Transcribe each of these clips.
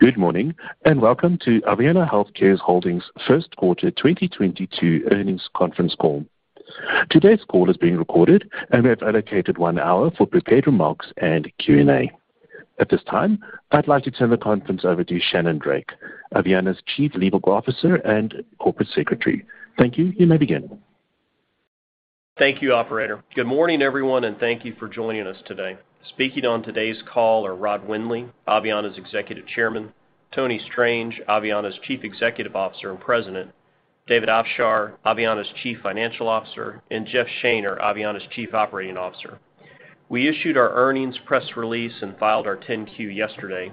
Good morning, and welcome to Aveanna Healthcare Holdings first quarter 2022 earnings conference call. Today's call is being recorded and we have allocated one hour for prepared remarks and Q&A. At this time, I'd like to turn the conference over to Shannon Drake, Aveanna's Chief Legal Officer and Corporate Secretary. Thank you. You may begin. Thank you, operator. Good morning, everyone, and thank you for joining us today. Speaking on today's call are Rod Windley, Aveanna's Executive Chairman, Tony Strange, Aveanna's Chief Executive Officer and President, David Afshar, Aveanna's Chief Financial Officer, and Jeff Shaner, Aveanna's Chief Operating Officer. We issued our earnings press release and filed our 10-Q yesterday.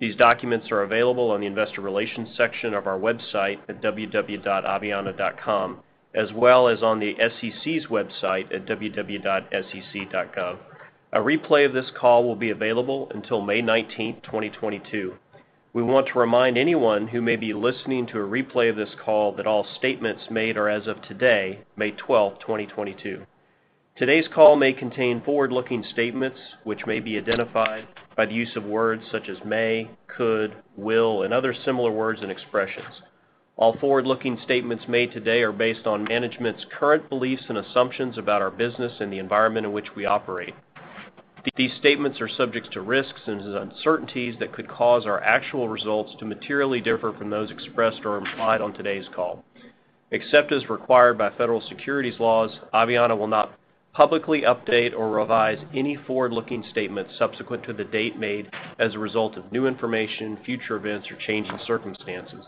These documents are available on the investor relations section of our website at www.aveanna.com, as well as on the SEC's website at www.sec.gov. A replay of this call will be available until May 19th, 2022. We want to remind anyone who may be listening to a replay of this call that all statements made are as of today, May 12th, 2022. Today's call may contain forward-looking statements, which may be identified by the use of words such as may, could, will, and other similar words and expressions. All forward-looking statements made today are based on management's current beliefs and assumptions about our business and the environment in which we operate. These statements are subject to risks and uncertainties that could cause our actual results to materially differ from those expressed or implied on today's call. Except as required by federal securities laws, Aveanna will not publicly update or revise any forward-looking statements subsequent to the date made as a result of new information, future events, or changing circumstances.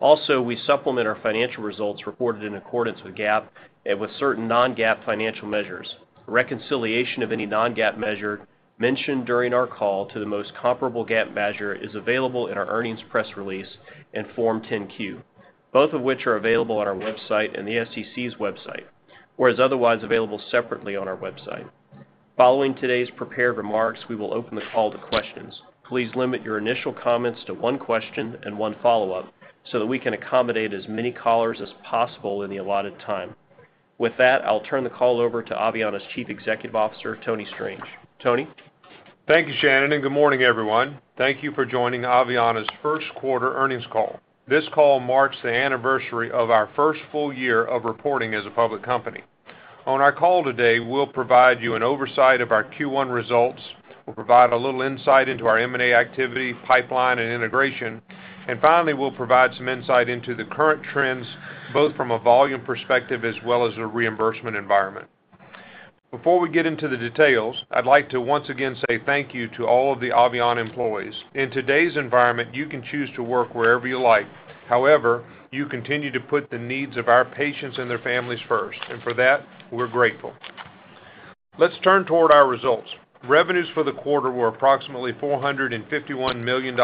Also, we supplement our financial results reported in accordance with GAAP and with certain non-GAAP financial measures. Reconciliation of any non-GAAP measure mentioned during our call to the most comparable GAAP measure is available in our earnings press release in Form 10-Q, both of which are available on our website and the SEC's website, or as otherwise available separately on our website. Following today's prepared remarks, we will open the call to questions. Please limit your initial comments to one question and one follow-up so that we can accommodate as many callers as possible in the allotted time. With that, I'll turn the call over to Aveanna's Chief Executive Officer, Tony Strange. Tony? Thank you, Shannon, and good morning, everyone. Thank you for joining Aveanna's first quarter earnings call. This call marks the anniversary of our first full year of reporting as a public company. On our call today, we'll provide you an overview of our Q1 results. We'll provide a little insight into our M&A activity, pipeline, and integration. Finally, we'll provide some insight into the current trends, both from a volume perspective as well as a reimbursement environment. Before we get into the details, I'd like to once again say thank you to all of the Aveanna employees. In today's environment, you can choose to work wherever you like. However, you continue to put the needs of our patients and their families first. And for that, we're grateful. Let's turn to our results. Revenues for the quarter were approximately $451 million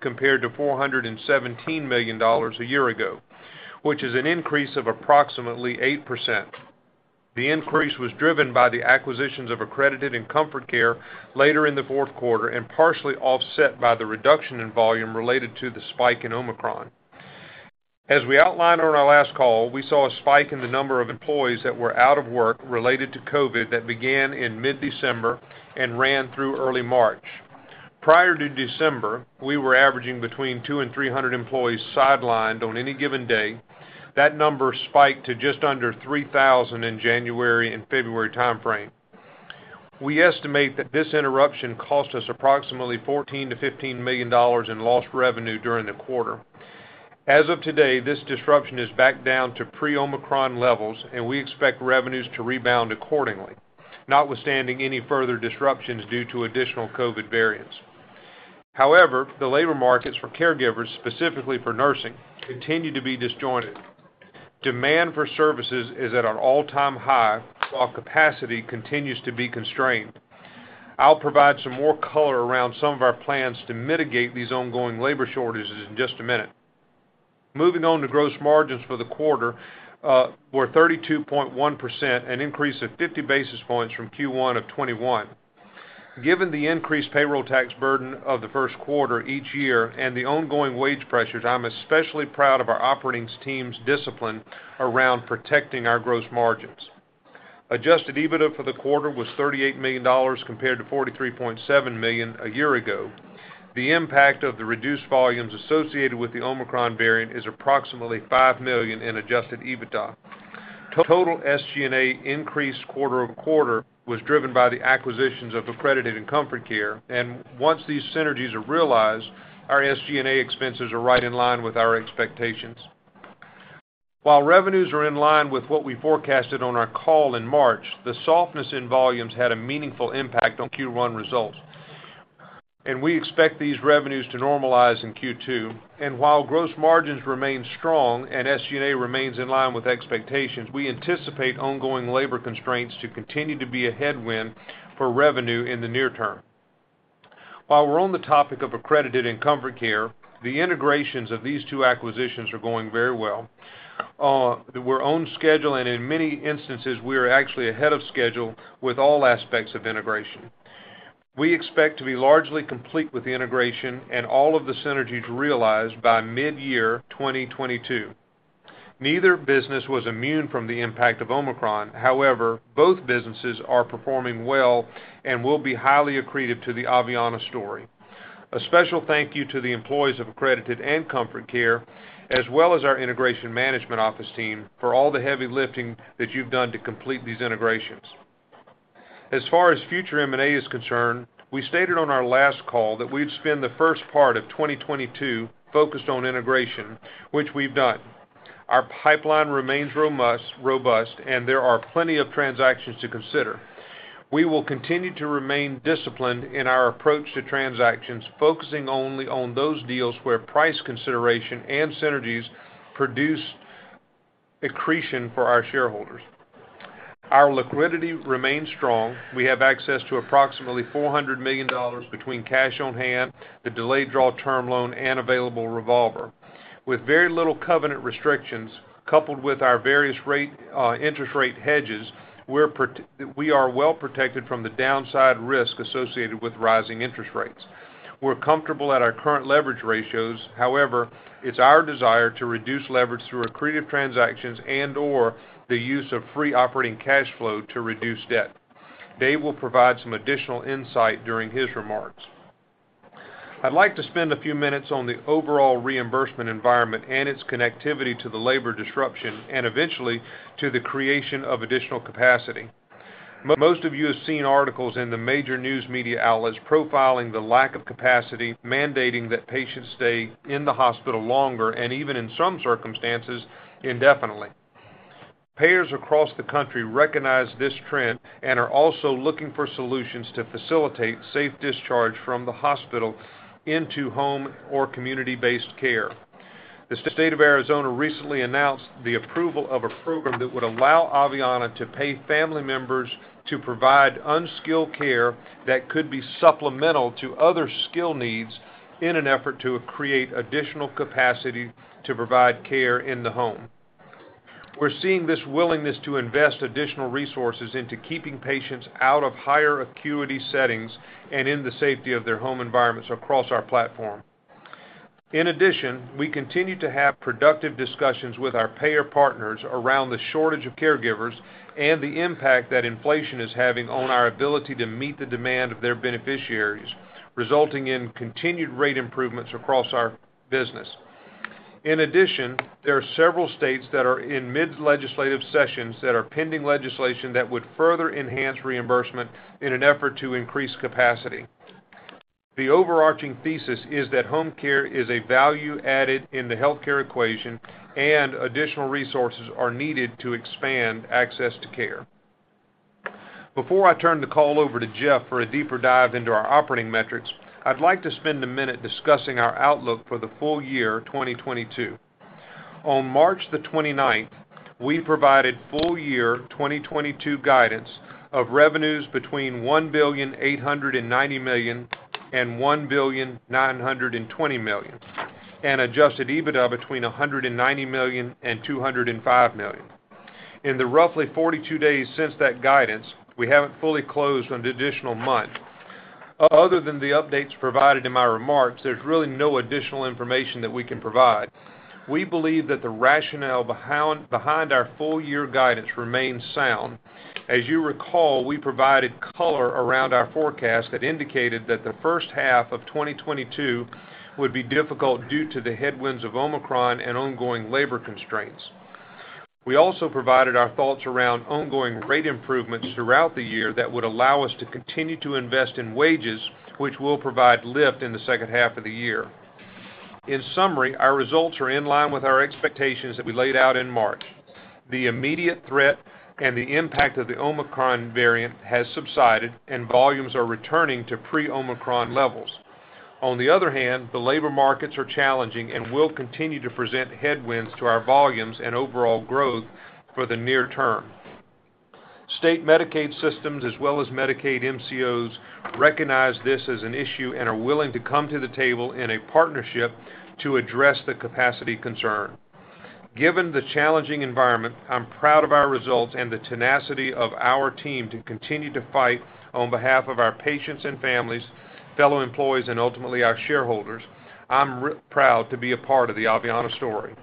compared to $417 million a year ago, which is an increase of approximately 8%. The increase was driven by the acquisitions of Accredited and Comfort Care later in the fourth quarter, and partially offset by the reduction in volume related to the spike in Omicron. As we outlined on our last call, we saw a spike in the number of employees that were out of work related to COVID that began in mid-December and ran through early March. Prior to December, we were averaging between 200 and 300 employees sidelined on any given day. That number spiked to just under 3,000 in January and February timeframe. We estimate that this interruption cost us approximately $14 million-$15 million in lost revenue during the quarter. As of today, this disruption is back down to pre-Omicron levels, and we expect revenues to rebound accordingly, notwithstanding any further disruptions due to additional COVID variants. However, the labor markets for caregivers, specifically for nursing, continue to be disjointed. Demand for services is at an all-time high, while capacity continues to be constrained. I'll provide some more color around some of our plans to mitigate these ongoing labor shortages in just a minute. Moving on to gross margins for the quarter, were 32.1%, an increase of 50 basis points from Q1 of 2021. Given the increased payroll tax burden of the first quarter each year and the ongoing wage pressures, I'm especially proud of our operating team's discipline around protecting our gross margins. Adjusted EBITDA for the quarter was $38 million compared to $43.7 million a year ago. The impact of the reduced volumes associated with the Omicron variant is approximately $5 million in adjusted EBITDA. Total SG&A increase quarter-over-quarter was driven by the acquisitions of Accredited and Comfort Care. Once these synergies are realized, our SG&A expenses are right in line with our expectations. While revenues are in line with what we forecasted on our call in March, the softness in volumes had a meaningful impact on Q1 results. We expect these revenues to normalize in Q2. While gross margins remain strong and SG&A remains in line with expectations, we anticipate ongoing labor constraints to continue to be a headwind for revenue in the near term. While we're on the topic of Accredited and Comfort Care, the integrations of these two acquisitions are going very well. We're on schedule, and in many instances, we are actually ahead of schedule with all aspects of integration. We expect to be largely complete with the integration and all of the synergies realized by mid-year 2022. Neither business was immune from the impact of Omicron. However, both businesses are performing well and will be highly accretive to the Aveanna story. A special thank you to the employees of Accredited and Comfort Care, as well as our integration management office team for all the heavy lifting that you've done to complete these integrations. As far as future M&A is concerned, we stated on our last call that we'd spend the first part of 2022 focused on integration, which we've done. Our pipeline remains robust, and there are plenty of transactions to consider. We will continue to remain disciplined in our approach to transactions, focusing only on those deals where price consideration and synergies produce accretion for our shareholders. Our liquidity remains strong. We have access to approximately $400 million between cash on hand, the delayed draw term loan, and available revolver. With very little covenant restrictions, coupled with our various rate, interest rate hedges, we are well protected from the downside risk associated with rising interest rates. We're comfortable at our current leverage ratios. However, it's our desire to reduce leverage through accretive transactions and/or the use of free operating cash flow to reduce debt. Dave will provide some additional insight during his remarks. I'd like to spend a few minutes on the overall reimbursement environment and its connectivity to the labor disruption and eventually to the creation of additional capacity. Most of you have seen articles in the major news media outlets profiling the lack of capacity, mandating that patients stay in the hospital longer and even in some circumstances, indefinitely. Payers across the country recognize this trend and are also looking for solutions to facilitate safe discharge from the hospital into home or community-based care. The state of Arizona recently announced the approval of a program that would allow Aveanna to pay family members to provide unskilled care that could be supplemental to other skill needs in an effort to create additional capacity to provide care in the home. We're seeing this willingness to invest additional resources into keeping patients out of higher acuity settings and in the safety of their home environments across our platform. In addition, we continue to have productive discussions with our payer partners around the shortage of caregivers and the impact that inflation is having on our ability to meet the demand of their beneficiaries, resulting in continued rate improvements across our business. In addition, there are several states that are in mid-legislative sessions that are pending legislation that would further enhance reimbursement in an effort to increase capacity. The overarching thesis is that home care is a value added in the healthcare equation, and additional resources are needed to expand access to care. Before I turn the call over to Jeff for a deeper dive into our operating metrics, I'd like to spend a minute discussing our outlook for the full year 2022. On March 29th, we provided full year 2022 guidance of revenues between $1.89 billion and $1.92 billion, and Adjusted EBITDA between $190 million and $205 million. In the roughly 42 days since that guidance, we haven't fully closed on the additional month. Other than the updates provided in my remarks, there's really no additional information that we can provide. We believe that the rationale behind our full year guidance remains sound. As you recall, we provided color around our forecast that indicated that the first half of 2022 would be difficult due to the headwinds of Omicron and ongoing labor constraints. We also provided our thoughts around ongoing rate improvements throughout the year that would allow us to continue to invest in wages, which will provide lift in the second half of the year. In summary, our results are in line with our expectations that we laid out in March. The immediate threat and the impact of the Omicron variant has subsided and volumes are returning to pre-Omicron levels. On the other hand, the labor markets are challenging and will continue to present headwinds to our volumes and overall growth for the near term. State Medicaid systems as well as Medicaid MCOs recognize this as an issue and are willing to come to the table in a partnership to address the capacity concern. Given the challenging environment, I'm proud of our results and the tenacity of our team to continue to fight on behalf of our patients and families, fellow employees, and ultimately, our shareholders. I'm proud to be a part of the Aveanna story.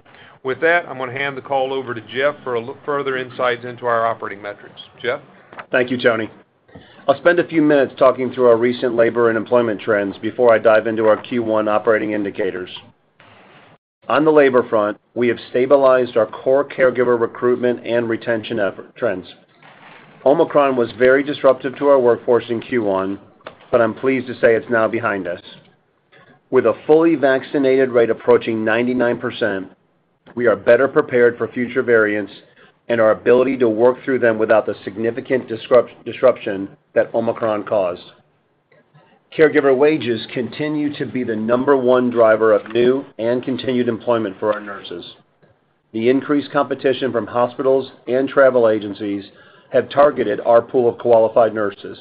With that, I'm gonna hand the call over to Jeff for further insights into our operating metrics. Jeff? Thank you, Tony. I'll spend a few minutes talking through our recent labor and employment trends before I dive into our Q1 operating indicators. On the labor front, we have stabilized our core caregiver recruitment and retention effort trends. Omicron was very disruptive to our workforce in Q1, but I'm pleased to say it's now behind us. With a fully vaccinated rate approaching 99%, we are better prepared for future variants and our ability to work through them without the significant disruption that Omicron caused. Caregiver wages continue to be the number one driver of new and continued employment for our nurses. The increased competition from hospitals and travel agencies have targeted our pool of qualified nurses.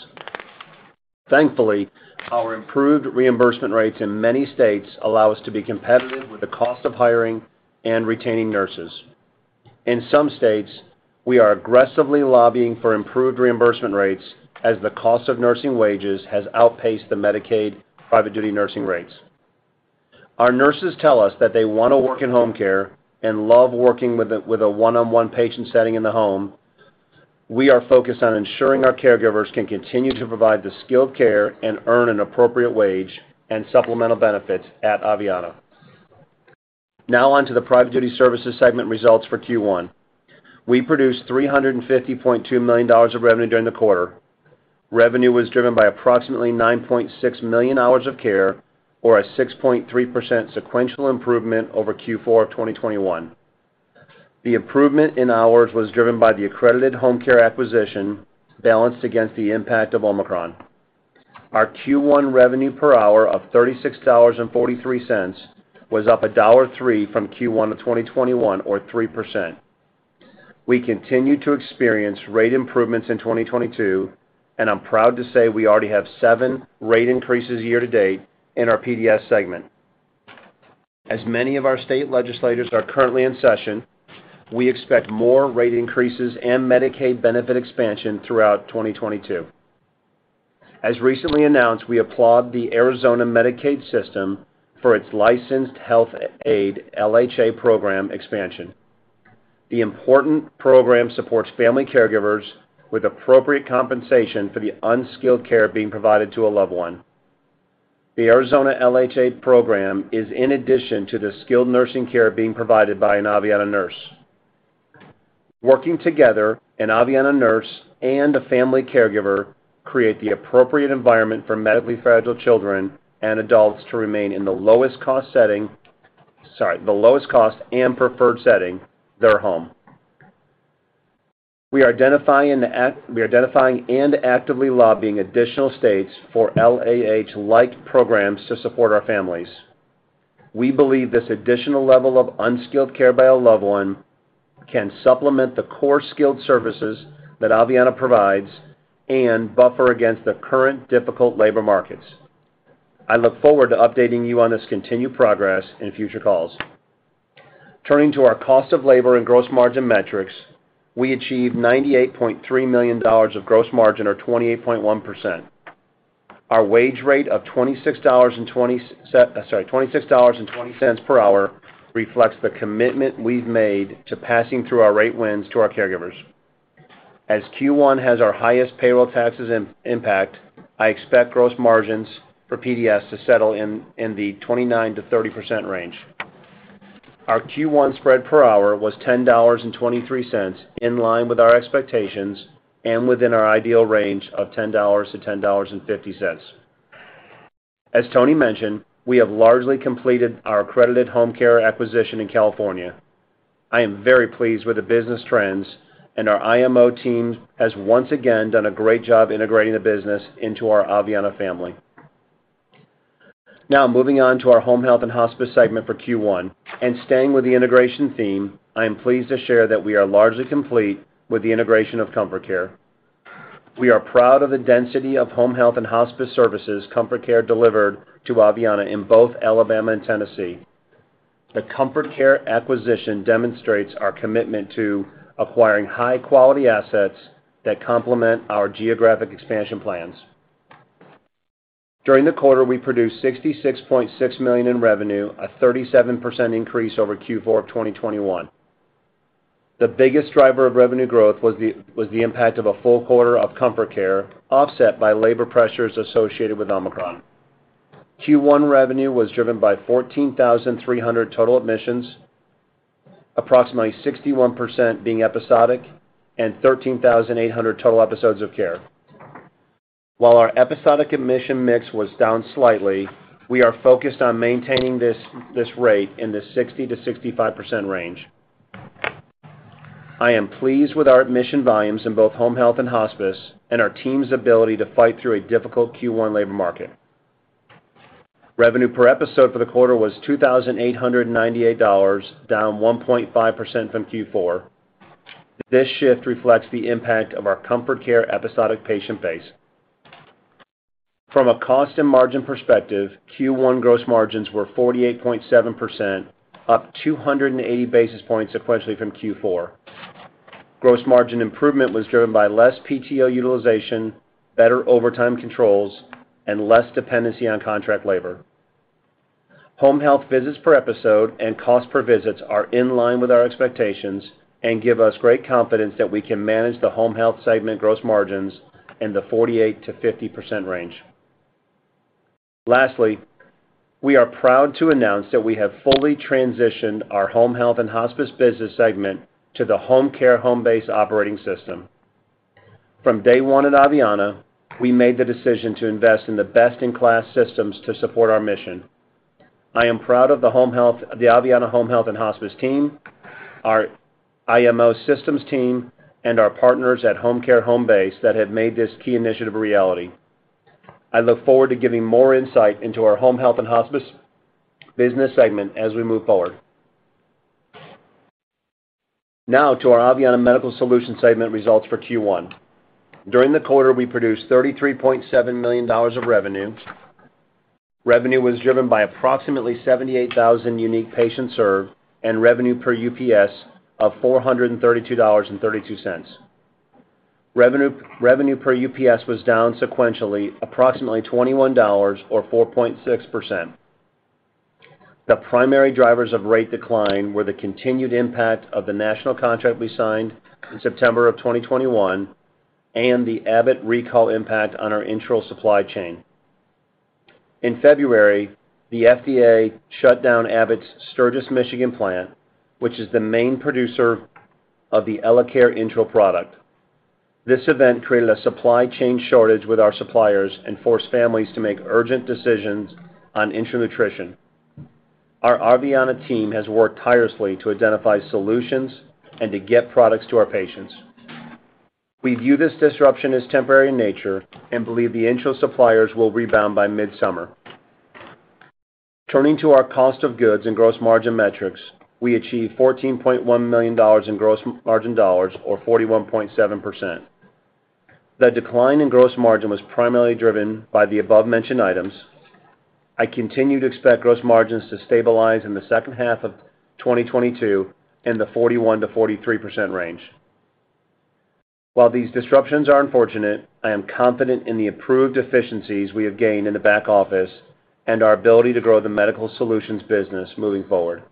Thankfully, our improved reimbursement rates in many states allow us to be competitive with the cost of hiring and retaining nurses. In some states. We are aggressively lobbying for improved reimbursement rates as the cost of nursing wages has outpaced the Medicaid private duty nursing rates. Our nurses tell us that they want to work in home care and love working with a one-on-one patient setting in the home. We are focused on ensuring our caregivers can continue to provide the skilled care and earn an appropriate wage and supplemental benefits at Aveanna. Now on to the private duty services segment results for Q1. We produced $350.2 million of revenue during the quarter. Revenue was driven by approximately 9.6 million hours of care or a 6.3% sequential improvement over Q4 of 2021. The improvement in hours was driven by the Accredited Home Care acquisition balanced against the impact of Omicron. Our Q1 revenue per hour of $36.43 was up $1.03 from Q1 of 2021 or 3%. We continue to experience rate improvements in 2022, and I'm proud to say we already have seven rate increases year to date in our PDS segment. As many of our state legislators are currently in session, we expect more rate increases and Medicaid benefit expansion throughout 2022. As recently announced, we applaud the Arizona Medicaid system for its licensed health aid, LHA program expansion. The important program supports family caregivers with appropriate compensation for the unskilled care being provided to a loved one. The Arizona LHA program is in addition to the skilled nursing care being provided by an Aveanna nurse. Working together, an Aveanna nurse and a family caregiver create the appropriate environment for medically fragile children and adults to remain in the lowest cost and preferred setting, their home. We are identifying and actively lobbying additional states for LHA-like programs to support our families. We believe this additional level of unskilled care by a loved one can supplement the core skilled services that Aveanna provides and buffer against the current difficult labor markets. I look forward to updating you on this continued progress in future calls. Turning to our cost of labor and gross margin metrics, we achieved $98.3 million of gross margin or 28.1%. Our wage rate of $26.20 per hour reflects the commitment we've made to passing through our rate wins to our caregivers. As Q1 has our highest payroll taxes impact, I expect gross margins for PDS to settle in the 29%-30% range. Our Q1 spread per hour was $10.23 in line with our expectations and within our ideal range of $10-$10.50. As Tony mentioned, we have largely completed our Accredited Home Care acquisition in California. I am very pleased with the business trends and our IMO team has once again done a great job integrating the business into our Aveanna family. Now moving on to our home health and hospice segment for Q1 and staying with the integration theme, I am pleased to share that we are largely complete with the integration of Comfort Care. We are proud of the density of home health and hospice services Comfort Care delivered to Aveanna in both Alabama and Tennessee. The Comfort Care acquisition demonstrates our commitment to acquiring high quality assets that complement our geographic expansion plans. During the quarter, we produced $66.6 million in revenue, a 37% increase over Q4 of 2021. The biggest driver of revenue growth was the impact of a full quarter of Comfort Care, offset by labor pressures associated with Omicron. Q1 revenue was driven by 14,300 total admissions, approximately 61% being episodic, and 13,800 total episodes of care. While our episodic admission mix was down slightly, we are focused on maintaining this rate in the 60%-65% range. I am pleased with our admission volumes in both home health and hospice and our team's ability to fight through a difficult Q1 labor market. Revenue per episode for the quarter was $2,898, down 1.5% from Q4. This shift reflects the impact of our Comfort Care episodic patient base. From a cost and margin perspective, Q1 gross margins were 48.7%, up 280 basis points sequentially from Q4. Gross margin improvement was driven by less PTO utilization, better overtime controls, and less dependency on contract labor. Home health visits per episode and cost per visits are in line with our expectations and give us great confidence that we can manage the home health segment gross margins in the 48%-50% range. Lastly, we are proud to announce that we have fully transitioned our home health and hospice business segment to the Homecare Homebase operating system. From day one at Aveanna, we made the decision to invest in the best in class systems to support our mission. I am proud of the Aveanna Home Health and Hospice team, our IMO systems team, and our partners at Homecare Homebase that have made this key initiative a reality. I look forward to giving more insight into our home health and hospice business segment as we move forward. Now to our Aveanna Medical Solutions segment results for Q1. During the quarter, we produced $33.7 million of revenue. Revenue was driven by approximately 78,000 unique patients served and revenue per UPS of $432.32. Revenue per UPS was down sequentially approximately $21 or 4.6%. The primary drivers of rate decline were the continued impact of the national contract we signed in September 2021 and the Abbott recall impact on our enteral supply chain. In February, the FDA shut down Abbott's Sturgis, Michigan plant, which is the main producer of the EleCare enteral product. This event created a supply chain shortage with our suppliers and forced families to make urgent decisions on enteral nutrition. Our Aveanna team has worked tirelessly to identify solutions and to get products to our patients. We view this disruption as temporary in nature and believe the enteral suppliers will rebound by mid-summer. Turning to our cost of goods and gross margin metrics, we achieved $14.1 million in gross margin dollars or 41.7%. The decline in gross margin was primarily driven by the above-mentioned items. I continue to expect gross margins to stabilize in the second half of 2022 in the 41%-43% range. While these disruptions are unfortunate, I am confident in the operational efficiencies we have gained in the back office and our ability to grow the medical solutions business moving forward.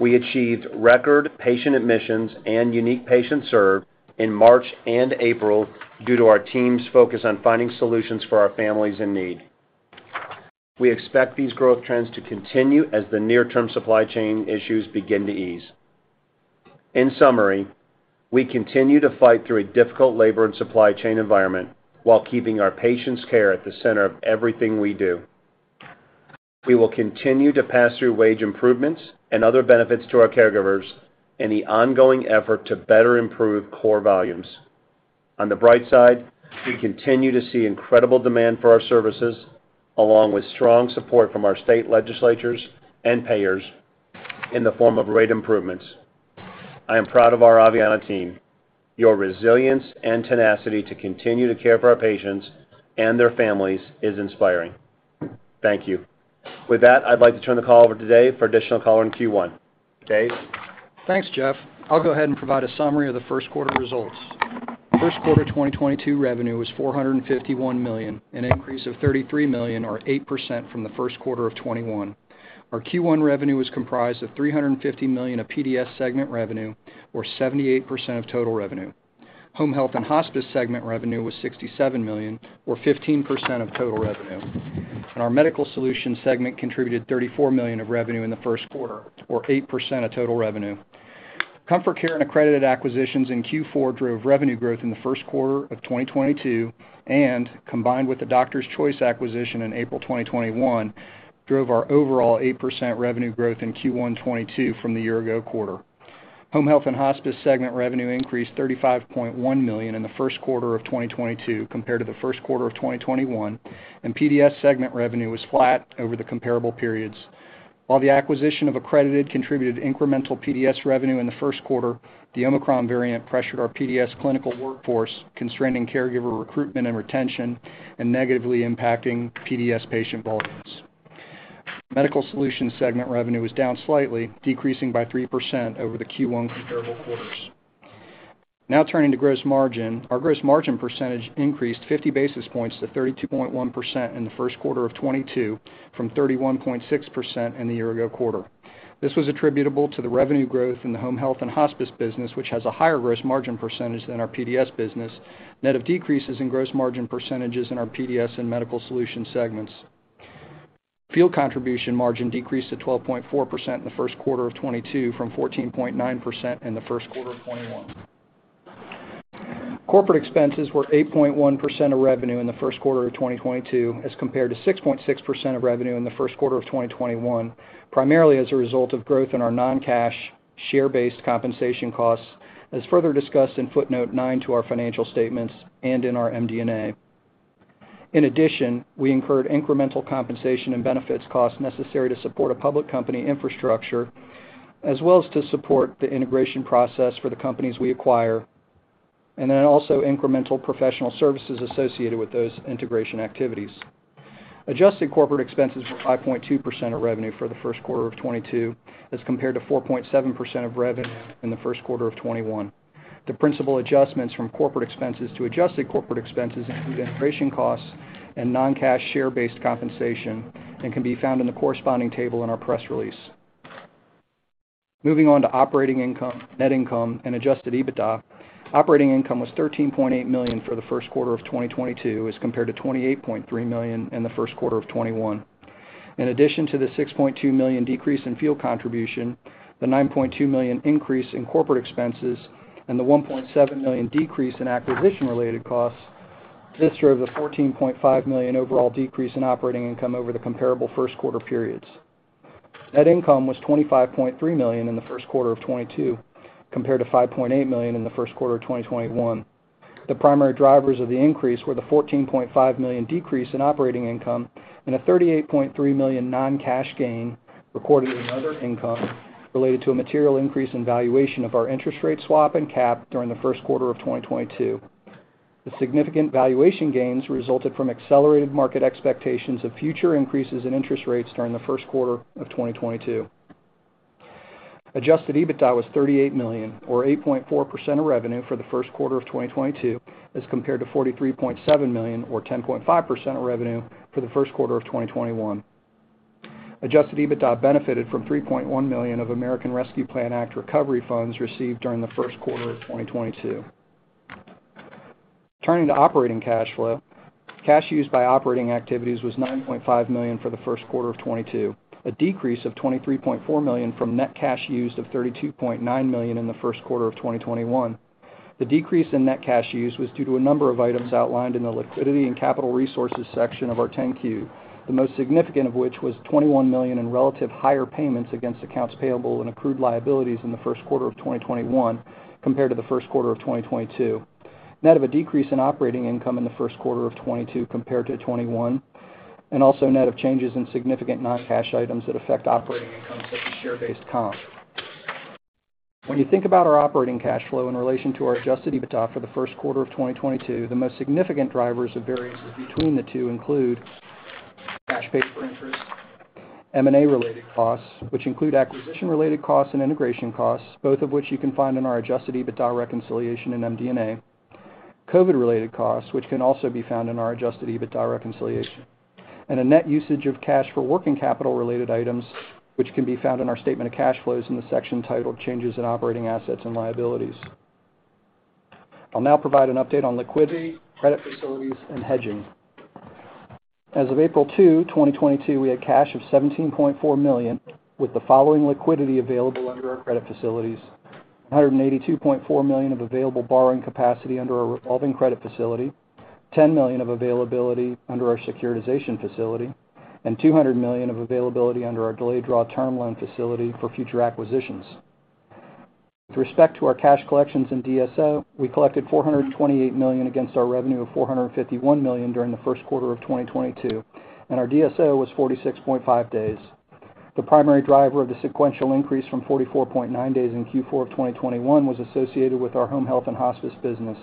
We achieved record patient admissions and unique patients served in March and April due to our team's focus on finding solutions for our families in need. We expect these growth trends to continue as the near-term supply chain issues begin to ease. In summary, we continue to fight through a difficult labor and supply chain environment while keeping our patient's care at the center of everything we do. We will continue to pass through wage improvements and other benefits to our caregivers in the ongoing effort to better improve core volumes. On the bright side, we continue to see incredible demand for our services, along with strong support from our state legislatures and payers in the form of rate improvements. I am proud of our Aveanna team. Your resilience and tenacity to continue to care for our patients and their families is inspiring. Thank you. With that, I'd like to turn the call over today for additional color in Q1. Dave? Thanks, Jeff. I'll go ahead and provide a summary of the first quarter results. First quarter 2022 revenue was $451 million, an increase of $33 million or 8% from the first quarter of 2021. Our Q1 revenue was comprised of $350 million of PDS segment revenue or 78% of total revenue. Home health and hospice segment revenue was $67 million or 15% of total revenue. Our Medical Solutions segment contributed $34 million of revenue in the first quarter or 8% of total revenue. Comfort Care and Accredited acquisitions in Q4 drove revenue growth in the first quarter of 2022, and combined with the Doctor's Choice acquisition in April 2021, drove our overall 8% revenue growth in Q1 2022 from the year ago quarter. Home Health and Hospice segment revenue increased $35.1 million in the first quarter of 2022 compared to the first quarter of 2021, and PDS segment revenue was flat over the comparable periods. While the acquisition of Accredited contributed incremental PDS revenue in the first quarter, the Omicron variant pressured our PDS clinical workforce, constraining caregiver recruitment and retention, and negatively impacting PDS patient volumes. Medical Solutions segment revenue was down slightly, decreasing by 3% over the Q1 comparable quarters. Now turning to gross margin. Our gross margin percentage increased 50 basis points to 32.1% in the first quarter of 2022 from 31.6% in the year-ago quarter. This was attributable to the revenue growth in the home health and hospice business, which has a higher gross margin percentage than our PDS business, net of decreases in gross margin percentages in our PDS and medical solutions segments. Field contribution margin decreased to 12.4% in the first quarter of 2022 from 14.9% in the first quarter of 2021. Corporate expenses were 8.1% of revenue in the first quarter of 2022 as compared to 6.6% of revenue in the first quarter of 2021, primarily as a result of growth in our non-cash share-based compensation costs, as further discussed in footnote nine to our financial statements and in our MD&A. In addition, we incurred incremental compensation and benefits costs necessary to support a public company infrastructure, as well as to support the integration process for the companies we acquire, and then also incremental professional services associated with those integration activities. Adjusted corporate expenses were 5.2% of revenue for the first quarter of 2022, as compared to 4.7% of revenue in the first quarter of 2021. The principal adjustments from corporate expenses to adjusted corporate expenses include integration costs and non-cash share-based compensation, and can be found in the corresponding table in our press release. Moving on to operating income, net income, and Adjusted EBITDA. Operating income was $13.8 million for the first quarter of 2022 as compared to $28.3 million in the first quarter of 2021. In addition to the $6.2 million decrease in field contribution, the $9.2 million increase in corporate expenses, and the $1.7 million decrease in acquisition-related costs, this drove the $14.5 million overall decrease in operating income over the comparable first quarter periods. Net income was $25.3 million in the first quarter of 2022, compared to $5.8 million in the first quarter of 2021. The primary drivers of the increase were the $14.5 million decrease in operating income and a $38.3 million non-cash gain recorded in other income related to a material increase in valuation of our interest rate swap and cap during the first quarter of 2022. The significant valuation gains resulted from accelerated market expectations of future increases in interest rates during the first quarter of 2022. Adjusted EBITDA was $38 million, or 8.4% of revenue for the first quarter of 2022, as compared to $43.7 million or 10.5% of revenue for the first quarter of 2021. Adjusted EBITDA benefited from $3.1 million of American Rescue Plan Act recovery funds received during the first quarter of 2022. Turning to operating cash flow. Cash used by operating activities was $9.5 million for the first quarter of 2022, a decrease of $23.4 million from net cash used of $32.9 million in the first quarter of 2021. The decrease in net cash used was due to a number of items outlined in the liquidity and capital resources section of our 10-Q, the most significant of which was $21 million in relative higher payments against accounts payable and accrued liabilities in the first quarter of 2021 compared to the first quarter of 2022. Net of a decrease in operating income in the first quarter of 2022 compared to 2021, and also net of changes in significant non-cash items that affect operating income such as share-based comp. When you think about our operating cash flow in relation to our Adjusted EBITDA for the first quarter of 2022, the most significant drivers of variances between the two include cash-based interest, M&A related costs, which include acquisition related costs and integration costs, both of which you can find in our Adjusted EBITDA reconciliation in MD&A. COVID related costs, which can also be found in our Adjusted EBITDA reconciliation, and a net usage of cash for working capital related items, which can be found in our statement of cash flows in the section titled Changes in Operating Assets and Liabilities. I'll now provide an update on liquidity, credit facilities and hedging. As of April 2, 2022, we had cash of $17.4 million, with the following liquidity available under our credit facilities. $182.4 million of available borrowing capacity under a revolving credit facility, $10 million of availability under our securitization facility, and $200 million of availability under our delayed draw term loan facility for future acquisitions. With respect to our cash collections in DSO, we collected $428 million against our revenue of $451 million during the first quarter of 2022, and our DSO was 46.5 days. The primary driver of the sequential increase from 44.9 days in Q4 of 2021 was associated with our Home Health and Hospice business.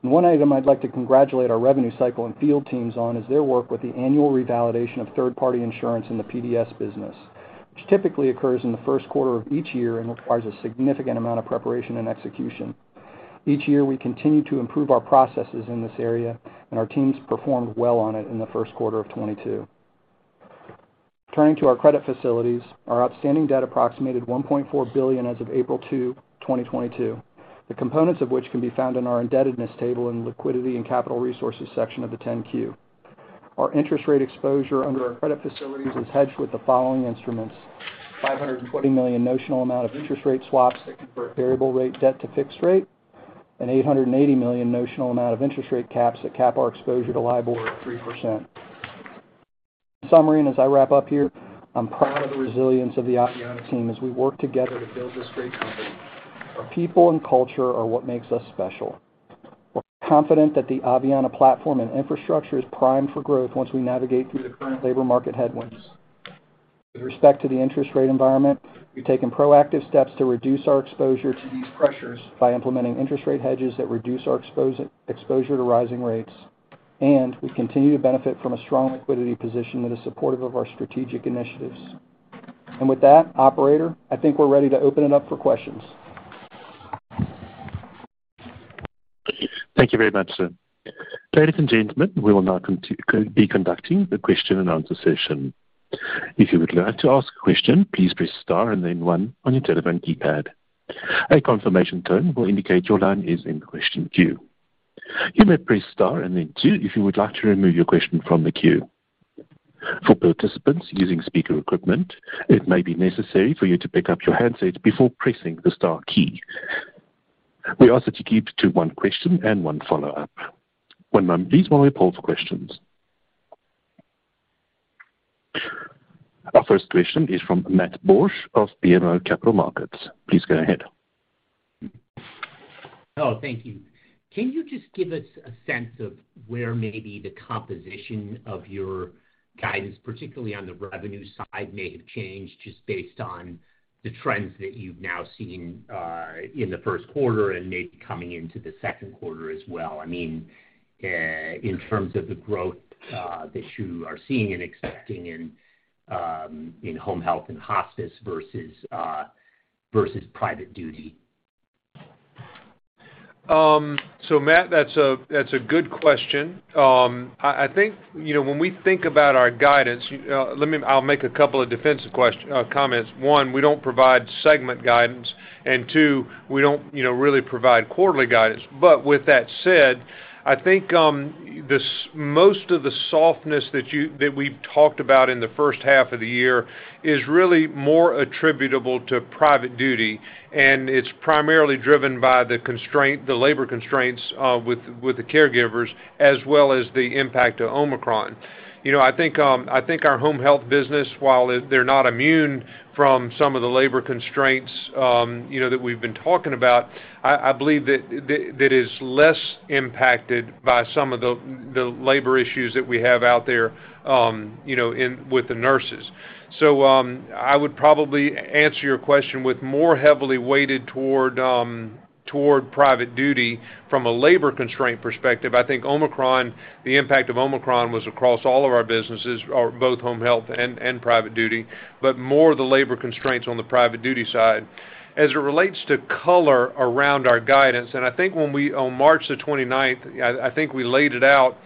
One item I'd like to congratulate our revenue cycle and field teams on is their work with the annual revalidation of third-party insurance in the PDS business, which typically occurs in the first quarter of each year and requires a significant amount of preparation and execution. Each year, we continue to improve our processes in this area, and our teams performed well on it in the first quarter of 2022. Turning to our credit facilities, our outstanding debt approximated $1.4 billion as of April 2, 2022. The components of which can be found in our indebtedness table in liquidity and capital resources section of the 10-Q. Our interest rate exposure under our credit facilities is hedged with the following instruments: $520 million notional amount of interest rate swaps that convert variable rate debt to fixed rate and $880 million notional amount of interest rate caps that cap our exposure to LIBOR at 3%. In summary, as I wrap up here, I'm proud of the resilience of the Aveanna team as we work together to build this great company. Our people and culture are what makes us special. We're confident that the Aveanna platform and infrastructure is primed for growth once we navigate through the current labor market headwinds. With respect to the interest rate environment, we've taken proactive steps to reduce our exposure to these pressures by implementing interest rate hedges that reduce our exposure to rising rates, and we continue to benefit from a strong liquidity position that is supportive of our strategic initiatives. With that operator, I think we're ready to open it up for questions. Thank you very much, sir. Ladies and gentlemen, we will now be conducting the question and answer session. If you would like to ask a question, please press Star and then One on your telephone keypad. A confirmation tone will indicate your line is in the question queue. You may press Star and then Two if you would like to remove your question from the queue. For participants using speaker equipment, it may be necessary for you to pick up your handset before pressing the Star key. We ask that you keep to one question and one follow-up. One moment please while we poll for questions. Our first question is from Matt Borsch of BMO Capital Markets. Please go ahead. Hello. Thank you. Can you just give us a sense of where maybe the composition of your guidance, particularly on the revenue side, may have changed just based on the trends that you've now seen in the first quarter and maybe coming into the second quarter as well? I mean, in terms of the growth that you are seeing and expecting in home health and hospice versus private duty? Matt, that's a good question. I think, you know, when we think about our guidance, I'll make a couple of defensive comments. One, we don't provide segment guidance, and two, we don't, you know, really provide quarterly guidance. With that said, I think this most of the softness that we've talked about in the first half of the year is really more attributable to private duty, and it's primarily driven by the labor constraints with the caregivers as well as the impact of Omicron. You know, I think our Home Health business, while they're not immune from some of the labor constraints, you know, that we've been talking about. I believe that is less impacted by some of the labor issues that we have out there, you know, in with the nurses. So, I would probably answer your question with more heavily weighted toward private duty from a labor constraint perspective. I think Omicron, the impact of Omicron was across all of our businesses, or both home health and private duty, but more the labor constraints on the private duty side. As it relates to color around our guidance, and I think when we on March 29th, I think we laid it out.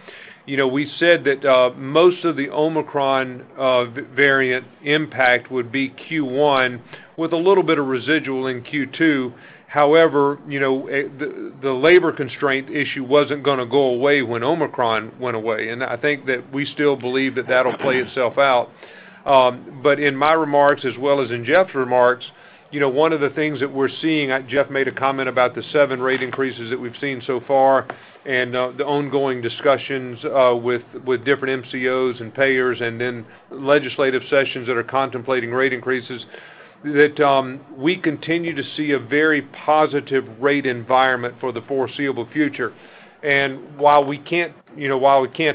You know, we said that most of the Omicron variant impact would be Q1 with a little bit of residual in Q2. However, you know, it, the labor constraint issue wasn't gonna go away when Omicron went away. I think that we still believe that that'll play itself out. In my remarks as well as in Jeff's remarks, you know, one of the things that we're seeing, Jeff made a comment about the seven rate increases that we've seen so far and the ongoing discussions with different MCOs and payers and then legislative sessions that are contemplating rate increases, that we continue to see a very positive rate environment for the foreseeable future. While we can't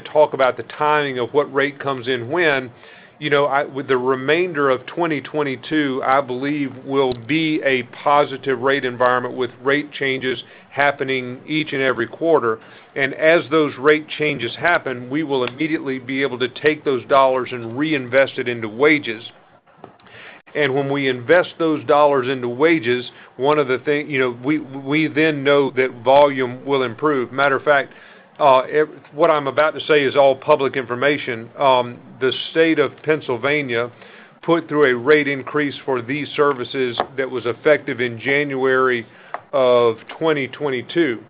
talk about the timing of what rate comes in when, you know, with the remainder of 2022, I believe will be a positive rate environment with rate changes happening each and every quarter. As those rate changes happen, we will immediately be able to take those dollars and reinvest it into wages. When we invest those dollars into wages, one of the thing, you know, we then know that volume will improve. Matter of fact, what I'm about to say is all public information. The State of Pennsylvania put through a rate increase for these services that was effective in January of 2022.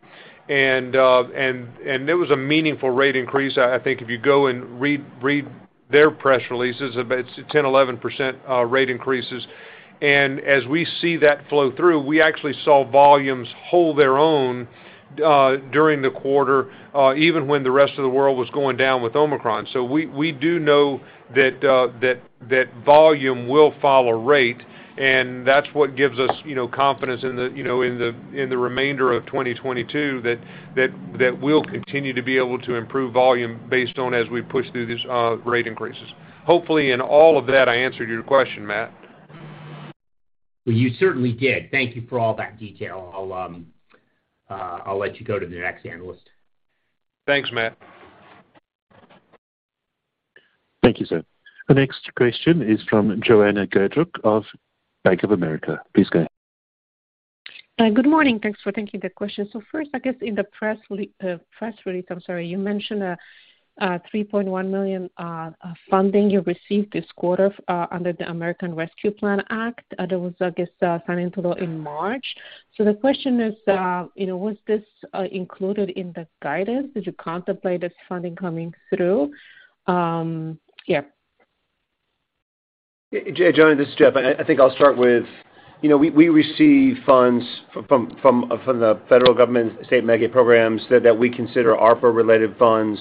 It was a meaningful rate increase. I think if you go and read their press releases, about 10%-11% rate increases. As we see that flow through, we actually saw volumes hold their own during the quarter, even when the rest of the world was going down with Omicron. We do know that volume will follow rate, and that's what gives us, you know, confidence in the remainder of 2022 that we'll continue to be able to improve volume based on as we push through these rate increases. Hopefully, in all of that, I answered your question, Matt. Well, you certainly did. Thank you for all that detail. I'll let you go to the next analyst. Thanks, Matt. Thank you, sir. The next question is from Joanna Gajuk of Bank of America. Please go ahead. Good morning. Thanks for taking the question. First, I guess in the press release, I'm sorry, you mentioned a $3.1 million funding you received this quarter under the American Rescue Plan Act that was, I guess, signed into law in March. The question is, you know, was this included in the guidance? Did you contemplate this funding coming through? Yeah. Joanna, this is Jeff. I think I'll start with, you know, we receive funds from the federal government, state Medicaid programs that we consider ARPA-related funds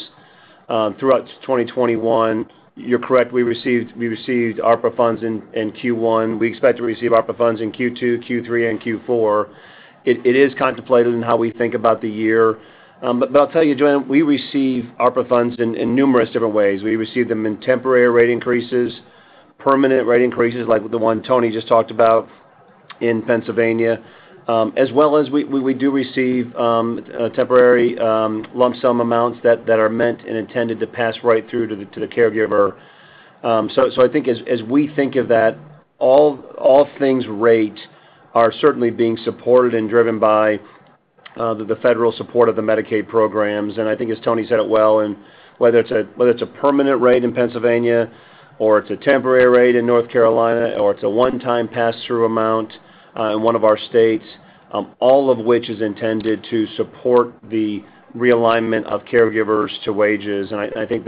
throughout 2021. You're correct, we received ARPA funds in Q1. We expect to receive ARPA funds in Q2, Q3, and Q4. It is contemplated in how we think about the year. I'll tell you, Joanna, we receive ARPA funds in numerous different ways. We receive them in temporary rate increases, permanent rate increases like the one Tony just talked about in Pennsylvania, as well as we do receive temporary lump sum amounts that are meant and intended to pass right through to the caregiver. I think as we think of that, all things rate are certainly being supported and driven by the federal support of the Medicaid programs. I think as Tony said it well, whether it's a permanent rate in Pennsylvania or it's a temporary rate in North Carolina or it's a one-time pass-through amount in one of our states, all of which is intended to support the realignment of caregivers to wages. I think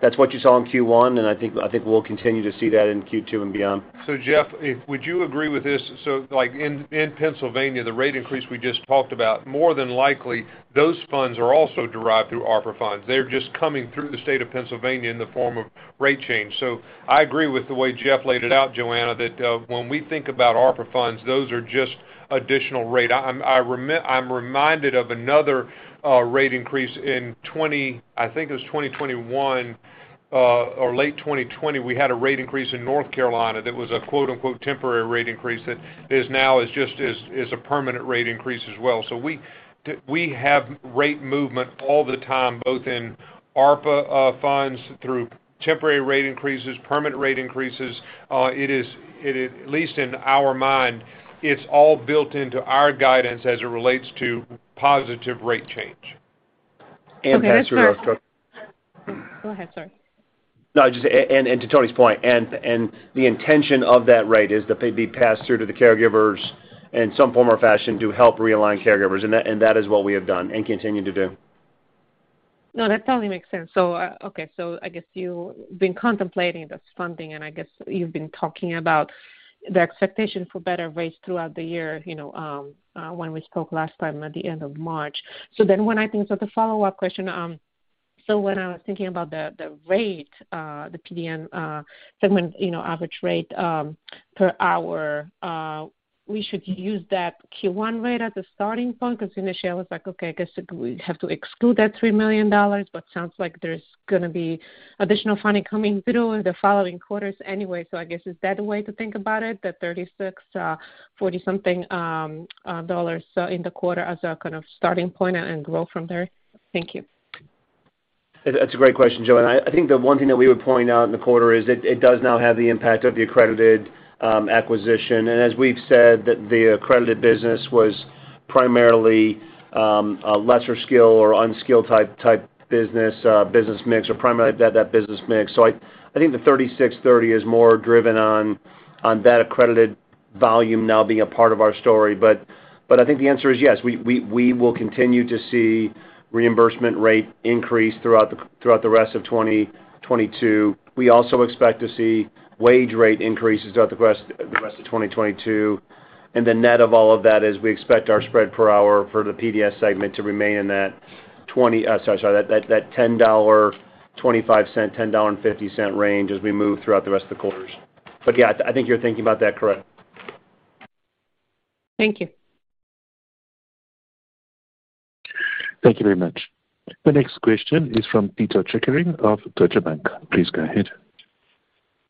that's what you saw in Q1, and I think we'll continue to see that in Q2 and beyond. Jeff, would you agree with this? Like in Pennsylvania, the rate increase we just talked about, more than likely, those funds are also derived through ARPA funds. They're just coming through the State of Pennsylvania in the form of rate change. I agree with the way Jeff laid it out, Joanna, that when we think about ARPA funds, those are just additional rate. I'm reminded of another rate increase in 2021, or late 2020, we had a rate increase in North Carolina that was a quote-unquote temporary rate increase that is now just as a permanent rate increase as well. We have rate movement all the time, both in ARPA funds through temporary rate increases, permanent rate increases. It is at least in our mind, it's all built into our guidance as it relates to positive rate change. Okay, just last. That's where our co- Go ahead, sorry. No, just and to Tony's point, and the intention of that rate is that they'd be passed through to the caregivers in some form or fashion to help realign caregivers. That is what we have done and continue to do. No, that totally makes sense. Okay. I guess you've been contemplating this funding, and I guess you've been talking about the expectation for better rates throughout the year, you know, when we spoke last time at the end of March. The follow-up question, when I was thinking about the rate, the PDN segment, you know, average rate per hour, we should use that Q1 rate as a starting point? 'Cause initially I was like, okay, I guess we have to exclude that $3 million, but sounds like there's gonna be additional funding coming through in the following quarters anyway. I guess, is that the way to think about it, the $36, $40-something dollars in the quarter as a kind of starting point and grow from there? Thank you. That's a great question, Joanna. I think the one thing that we would point out in the quarter is it does now have the impact of the Accredited acquisition. As we've said, the Accredited business was primarily a lesser skill or unskilled type business mix, or primarily that business mix. I think the 36/30 is more driven on that Accredited volume now being a part of our story. I think the answer is yes. We will continue to see reimbursement rate increase throughout the rest of 2022. We also expect to see wage rate increases throughout the rest of 2022. The net of all of that is we expect our spread per hour for the PDS segment to remain in that $10.25-$10.50 range as we move throughout the rest of the quarters. Yeah, I think you're thinking about that correct. Thank you. Thank you very much. The next question is from Pito Chickering of Deutsche Bank. Please go ahead.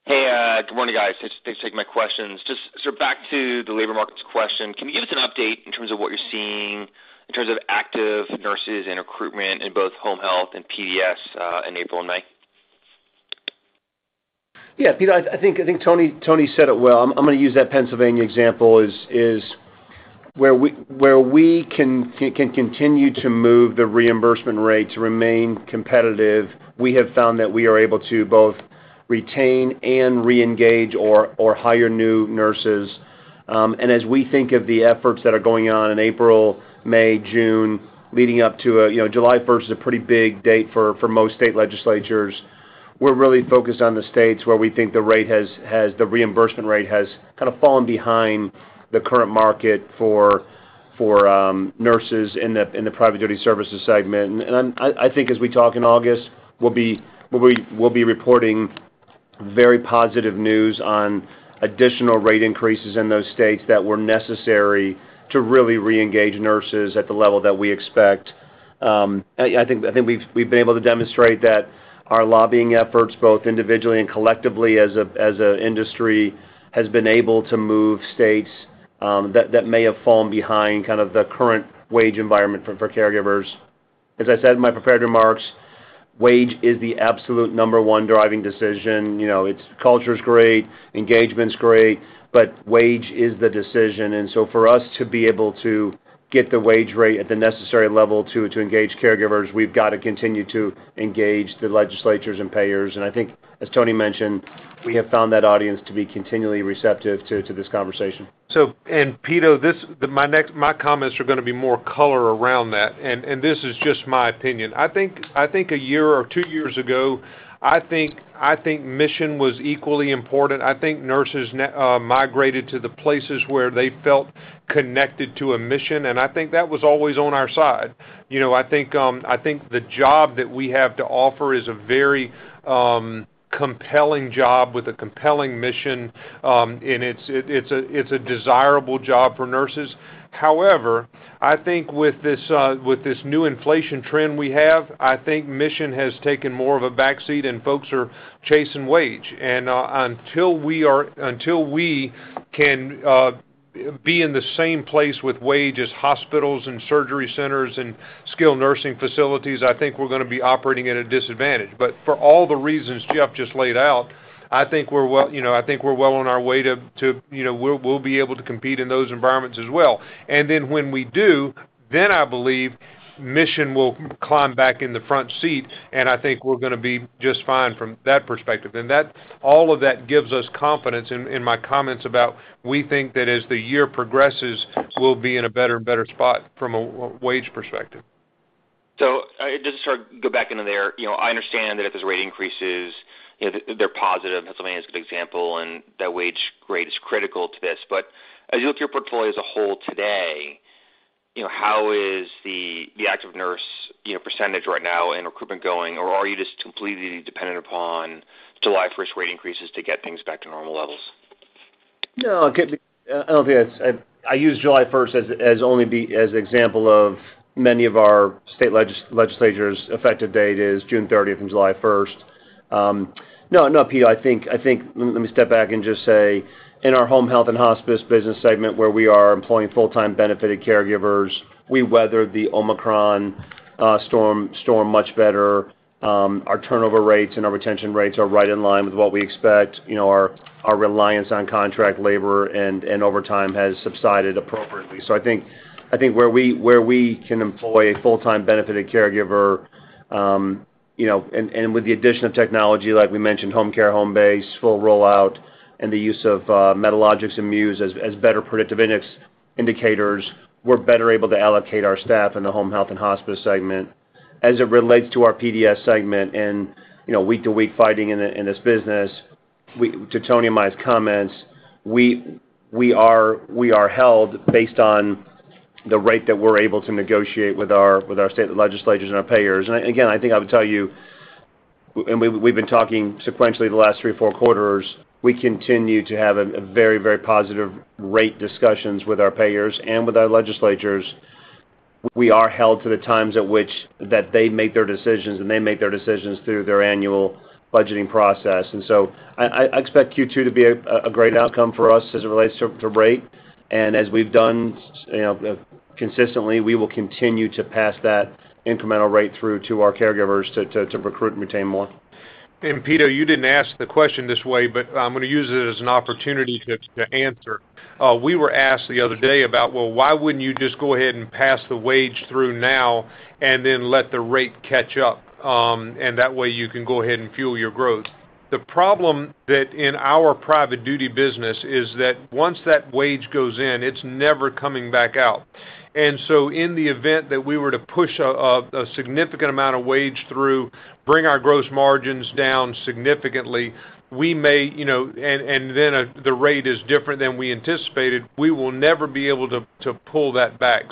Hey, good morning, guys. Thanks for taking my questions. Just sort of back to the labor markets question. Can you give us an update in terms of what you're seeing in terms of active nurses and recruitment in both home health and PDS, in April and May? Yeah. Pito, I think Tony said it well. I'm gonna use that Pennsylvania example, where we can continue to move the reimbursement rate to remain competitive. We have found that we are able to both retain and reengage or hire new nurses. As we think of the efforts that are going on in April, May, June, leading up to you know, July first is a pretty big date for most state legislatures. We're really focused on the states where we think the reimbursement rate has kind of fallen behind the current market for nurses in the private duty services segment. I think as we talk in August, we'll be reporting very positive news on additional rate increases in those states that were necessary to really reengage nurses at the level that we expect. I think we've been able to demonstrate that our lobbying efforts, both individually and collectively as a industry, has been able to move states that may have fallen behind kind of the current wage environment for caregivers. As I said in my prepared remarks, wage is the absolute number one driving decision. You know, it's culture's great, engagement's great, but wage is the decision. For us to be able to get the wage rate at the necessary level to engage caregivers, we've got to continue to engage the legislatures and payers. I think as Tony mentioned, we have found that audience to be continually receptive to this conversation. Pito, my comments are gonna be more color around that, and this is just my opinion. I think a year or two years ago, I think mission was equally important. I think nurses migrated to the places where they felt connected to a mission, and I think that was always on our side. You know, I think the job that we have to offer is a very compelling job with a compelling mission, and it's a desirable job for nurses. However, I think with this new inflation trend we have, I think mission has taken more of a backseat and folks are chasing wage. Until we can be in the same place with wage as hospitals and surgery centers and skilled nursing facilities, I think we're gonna be operating at a disadvantage. For all the reasons Jeff just laid out, I think we're well on our way to, you know, we'll be able to compete in those environments as well. Then when we do, I believe mission will climb back in the front seat, and I think we're gonna be just fine from that perspective. All of that gives us confidence in my comments about we think that as the year progresses, we'll be in a better and better spot from a wage perspective. Just to sort of go back into there. You know, I understand that if there's rate increases, you know, they're positive. Pennsylvania is a good example, and that wage grade is critical to this. But as you look at your portfolio as a whole today, you know, how is the active nurse, you know, percentage right now and recruitment going? Or are you just completely dependent upon July first rate increases to get things back to normal levels? No, I'll be honest. I use July first as only the example of many of our state legislatures effective date is June 30th and July 1st. No, Pito, I think, let me step back and just say, in our home health and hospice business segment where we are employing full-time benefited caregivers, we weathered the Omicron storm much better. Our turnover rates and our retention rates are right in line with what we expect. You know, our reliance on contract labor and overtime has subsided appropriately. I think where we can employ full-time benefited caregiver, you know, and with the addition of technology, like we mentioned, Homecare Homebase full rollout, and the use of Medalogix and Muse as better predictive indicators, we're better able to allocate our staff in the home health and hospice segment. As it relates to our PDS segment and, you know, week-to-week fighting in this business, we, to Tony and mine's comments, we are held based on the rate that we're able to negotiate with our state legislatures and our payers. Again, I think I would tell you, and we've been talking sequentially the last three, four quarters, we continue to have a very, very positive rate discussions with our payers and with our legislatures. We are held to the times at which that they make their decisions, and they make their decisions through their annual budgeting process. I expect Q2 to be a great outcome for us as it relates to rate. As we've done, you know, consistently, we will continue to pass that incremental rate through to our caregivers to recruit and retain more. Pito, you didn't ask the question this way, but I'm gonna use it as an opportunity to answer. We were asked the other day about why wouldn't you just go ahead and pass the wage through now and then let the rate catch up, and that way, you can go ahead and fuel your growth? The problem is that in our private duty business once that wage goes in, it's never coming back out. In the event that we were to push a significant amount of wage through, bring our gross margins down significantly, we may, and then the rate is different than we anticipated, we will never be able to pull that back.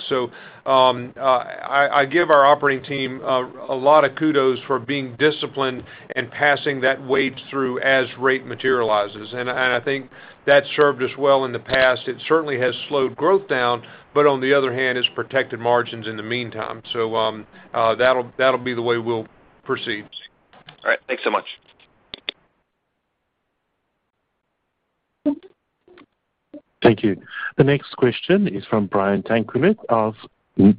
I give our operating team a lot of kudos for being disciplined in passing that wage through as rate materializes. I think that served us well in the past. It certainly has slowed growth down, but on the other hand, it's protected margins in the meantime. that'll be the way we'll proceed. All right, thanks so much. Thank you. The next question is from Brian Tanquilut of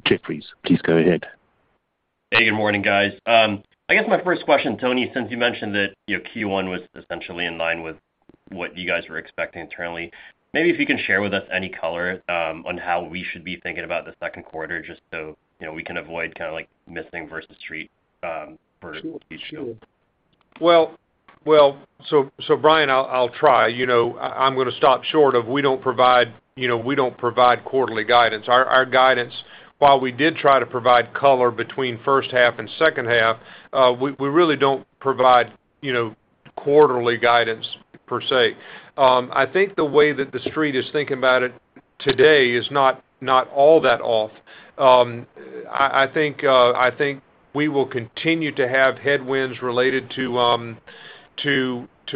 Jefferies. Please go ahead. Hey, good morning, guys. I guess my first question, Tony, since you mentioned that, you know, Q1 was essentially in line with what you guys were expecting internally, maybe if you can share with us any color on how we should be thinking about the second quarter, just so, you know, we can avoid kinda like missing versus Street for Q2. Sure. Well, so Brian, I'll try. You know, I'm gonna stop short of we don't provide quarterly guidance. Our guidance, while we did try to provide color between first half and second half, we really don't provide quarterly guidance per se. I think the way that The Street is thinking about it today is not all that off. I think we will continue to have headwinds related to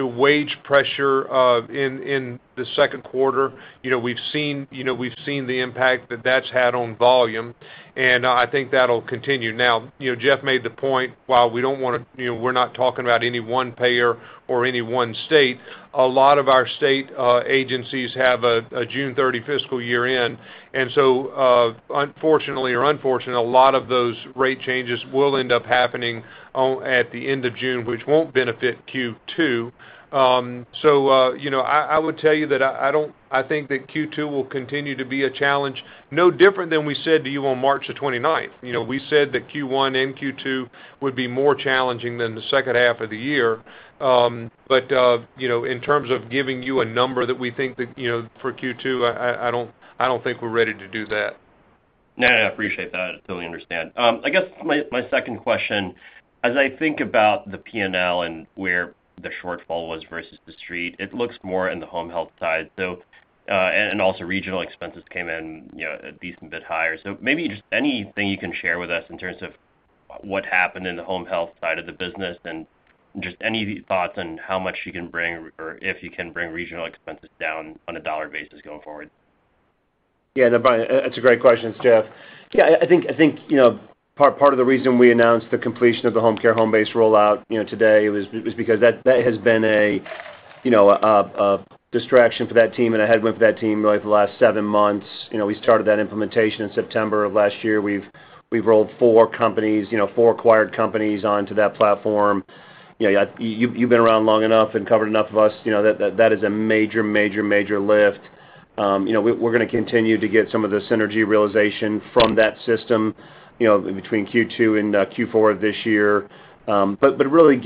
wage pressure in the second quarter. You know, we've seen the impact that that's had on volume, and I think that'll continue. Now, you know, Jeff made the point while we don't wanna, you know, we're not talking about any one payer or any one state. A lot of our state agencies have a June 30 fiscal year-end, and so, unfortunately, a lot of those rate changes will end up happening on, at the end of June, which won't benefit Q2. You know, I would tell you that I don't think that Q2 will continue to be a challenge, no different than we said to you on March 29. You know, we said that Q1 and Q2 would be more challenging than the second half of the year. You know, in terms of giving you a number that we think that, you know, for Q2, I don't think we're ready to do that. No, I appreciate that. Totally understand. I guess my second question, as I think about the P&L and where the shortfall was versus The Street, it looks more in the home health side. And also regional expenses came in, you know, a decent bit higher. Maybe just anything you can share with us in terms of what happened in the home health side of the business and just any thoughts on how much you can bring or if you can bring regional expenses down on a dollar basis going forward. Yeah. No, Brian, that's a great question. It's Jeff. Yeah, I think, you know, part of the reason we announced the completion of the Homecare Homebase rollout, you know, today was because that has been a, you know, a distraction for that team and a headwind for that team really for the last seven months. You know, we started that implementation in September of last year. We've rolled four companies, you know, four acquired companies onto that platform. You know, you've been around long enough and covered enough of us, you know, that that is a major lift. You know, we're gonna continue to get some of the synergy realization from that system, you know, between Q2 and Q4 of this year. Really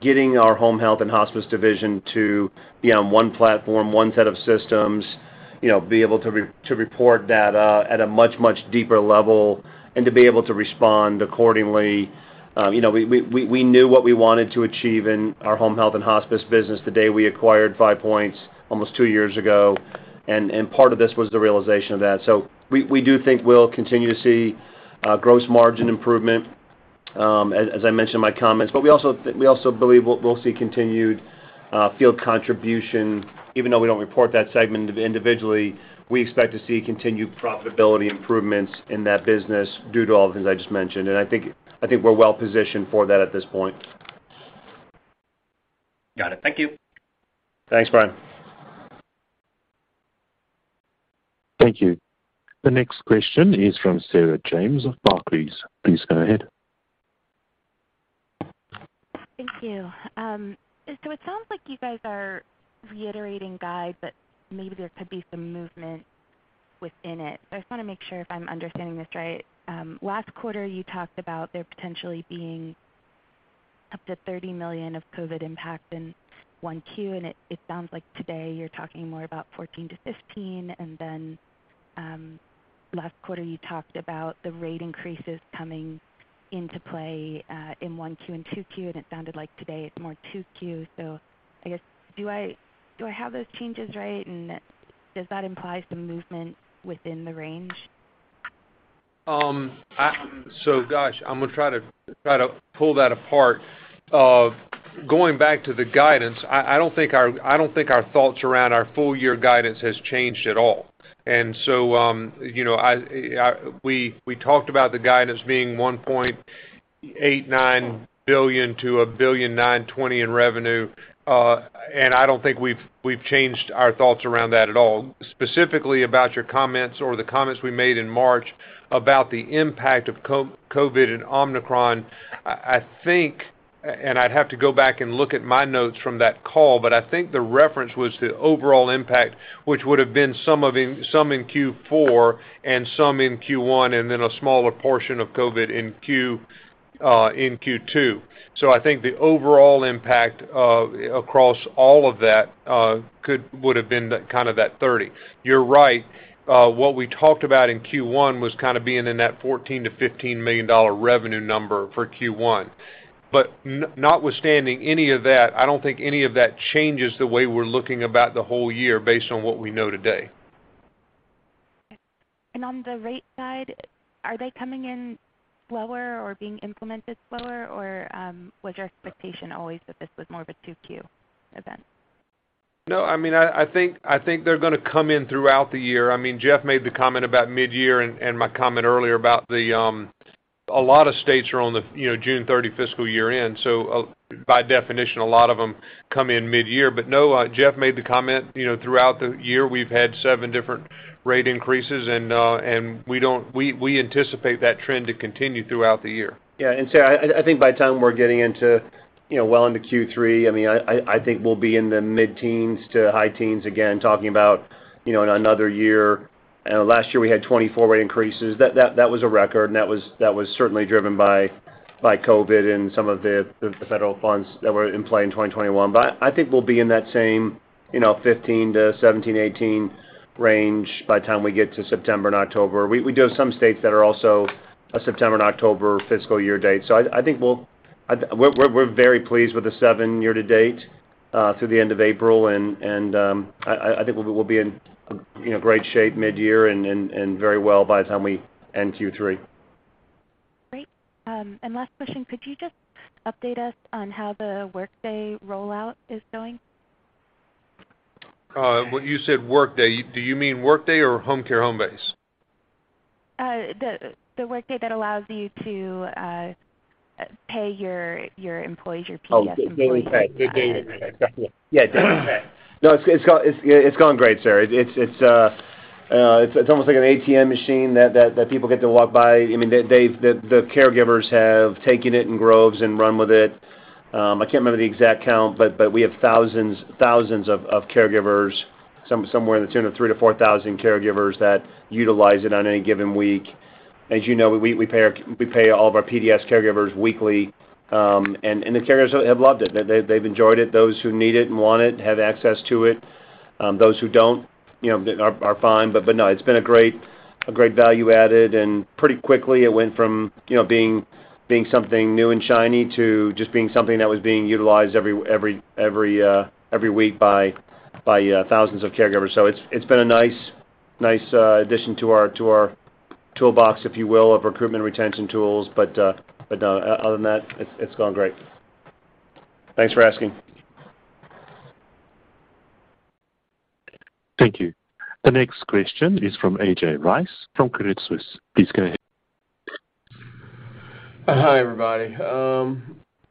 getting our Home Health and Hospice division to be on one platform, one set of systems, you know, be able to to report data at a much deeper level and to be able to respond accordingly. You know, we knew what we wanted to achieve in our home health and hospice business the day we acquired Five Points almost two years ago, and part of this was the realization of that. We do think we'll continue to see gross margin improvement, as I mentioned in my comments. We also believe we'll see continued field contribution. Even though we don't report that segment individually, we expect to see continued profitability improvements in that business due to all the things I just mentioned. I think we're well positioned for that at this point. Got it. Thank you. Thanks, Brian. Thank you. The next question is from Sarah James of Barclays. Please go ahead. Thank you. It sounds like you guys are reiterating guide, but maybe there could be some movement within it. I just wanna make sure if I'm understanding this right. Last quarter, you talked about there potentially being up to $30 million of COVID impact in 1Q, and it sounds like today you're talking more about $14 million-$15 million. Last quarter, you talked about the rate increases coming into play in 1Q and 2Q, and it sounded like today it's more 2Q. I guess, do I have those changes right, and does that imply some movement within the range? I'm gonna try to pull that apart. Going back to the guidance, I don't think our thoughts around our full year guidance has changed at all. You know, we talked about the guidance being $1.89 billion-$1.92 billion in revenue. I don't think we've changed our thoughts around that at all. Specifically about your comments or the comments we made in March about the impact of COVID and Omicron, I think, and I'd have to go back and look at my notes from that call, but I think the reference was the overall impact, which would have been some in Q4 and some in Q1, and then a smaller portion of COVID in Q2. I think the overall impact across all of that would have been kind of that $30 million. You're right, what we talked about in Q1 was kinda being in that $14 million-$15 million revenue number for Q1. Notwithstanding any of that, I don't think any of that changes the way we're looking at the whole year based on what we know today. On the rate side, are they coming in slower or being implemented slower? Or, was your expectation always that this was more of a 2Q event? No, I mean, I think they're gonna come in throughout the year. I mean, Jeff made the comment about midyear and my comment earlier about the. A lot of states are on the, you know, June 30 fiscal year end, so by definition, a lot of them come in midyear. No, Jeff made the comment, you know, throughout the year, we've had seven different rate increases and we anticipate that trend to continue throughout the year. Yeah. Sarah, I think by the time we're getting into, you know, well into Q3, I mean, I think we'll be in the mid-teens to high teens again, talking about, you know, in another year. Last year we had 24 rate increases. That was a record, and that was certainly driven by COVID and some of the federal funds that were in play in 2021. I think we'll be in that same, you know, 15-18 range by the time we get to September and October. We do have some states that are also a September and October fiscal year date. I think we'll... We're very pleased with the seven year to date through the end of April, and I think we'll be in, you know, great shape midyear and very well by the time we end Q3. Great. Last question, could you just update us on how the Workday rollout is going? When you said Workday, do you mean Workday or Homecare Homebase? The Workday that allows you to pay your employees, your PDS employees. Oh, DailyPay. Yeah, DailyPay. No, it's going great, Sarah. It's almost like an ATM machine that people get to walk by. I mean, they've taken it in droves and run with it. I can't remember the exact count, but we have thousands of caregivers, somewhere in the tune of 3,000-4,000 caregivers that utilize it on any given week. As you know, we pay all of our PDS caregivers weekly, and the caregivers have loved it. They've enjoyed it, those who need it and want it have access to it. Those who don't, you know, are fine. No, it's been a great value added. Pretty quickly, it went from, you know, being something new and shiny to just being something that was being utilized every week by thousands of caregivers. It's been a nice addition to our toolbox, if you will, of recruitment and retention tools. Other than that, it's going great. Thanks for asking. Thank you. The next question is from A.J. Rice from Credit Suisse. Please go ahead. Hi, everybody.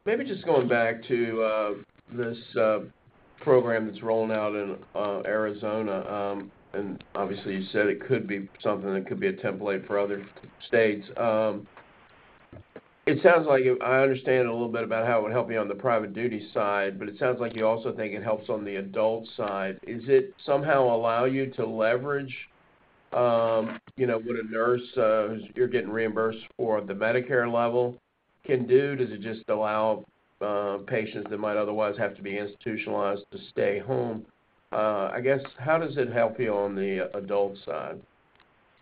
Maybe just going back to this program that's rolling out in Arizona, and obviously, you said it could be something that could be a template for other states. It sounds like I understand a little bit about how it would help you on the private duty side, but it sounds like you also think it helps on the adult side. Is it somehow allow you to leverage, you know, what a nurse, who's you're getting reimbursed for at the Medicare level can do? Does it just allow patients that might otherwise have to be institutionalized to stay home? I guess, how does it help you on the adult side?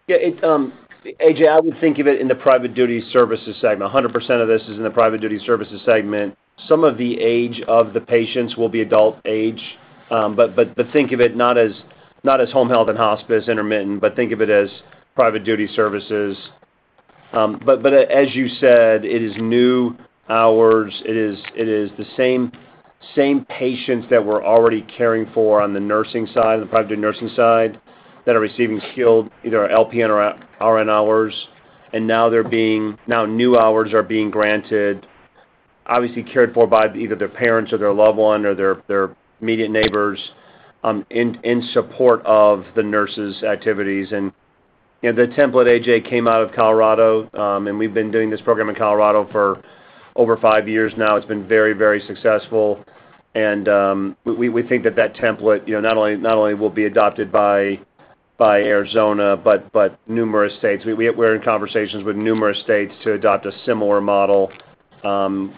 Yeah, it A.J., I would think of it in the Private Duty Services segment. A hundred percent of this is in the Private Duty Services segment. Some of the age of the patients will be adult age, but think of it not as home health and hospice intermittent, but think of it as private duty services. As you said, it is new hours. It is the same patients that we're already caring for on the nursing side, the private duty nursing side, that are receiving skilled, either LPN or RN hours, and now new hours are being granted, obviously cared for by either their parents or their loved one or their immediate neighbors, in support of the nurse's activities. You know, the template, A.J., came out of Colorado, and we've been doing this program in Colorado for over five years now. It's been very, very successful. We think that template, you know, not only will be adopted by Arizona, but numerous states. We're in conversations with numerous states to adopt a similar model,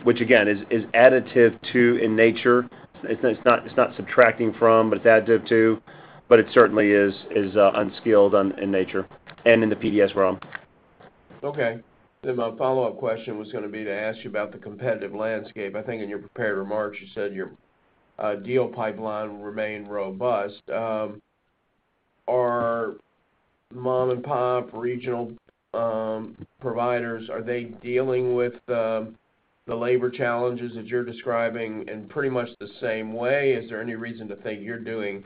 which again, is additive in nature. It's not subtracting from, but it's additive to, but it certainly is unskilled in nature and in the PDS realm. Okay. My follow-up question was gonna be to ask you about the competitive landscape. I think in your prepared remarks, you said your deal pipeline will remain robust. Are mom-and-pop regional providers dealing with the labor challenges that you're describing in pretty much the same way. Is there any reason to think you're doing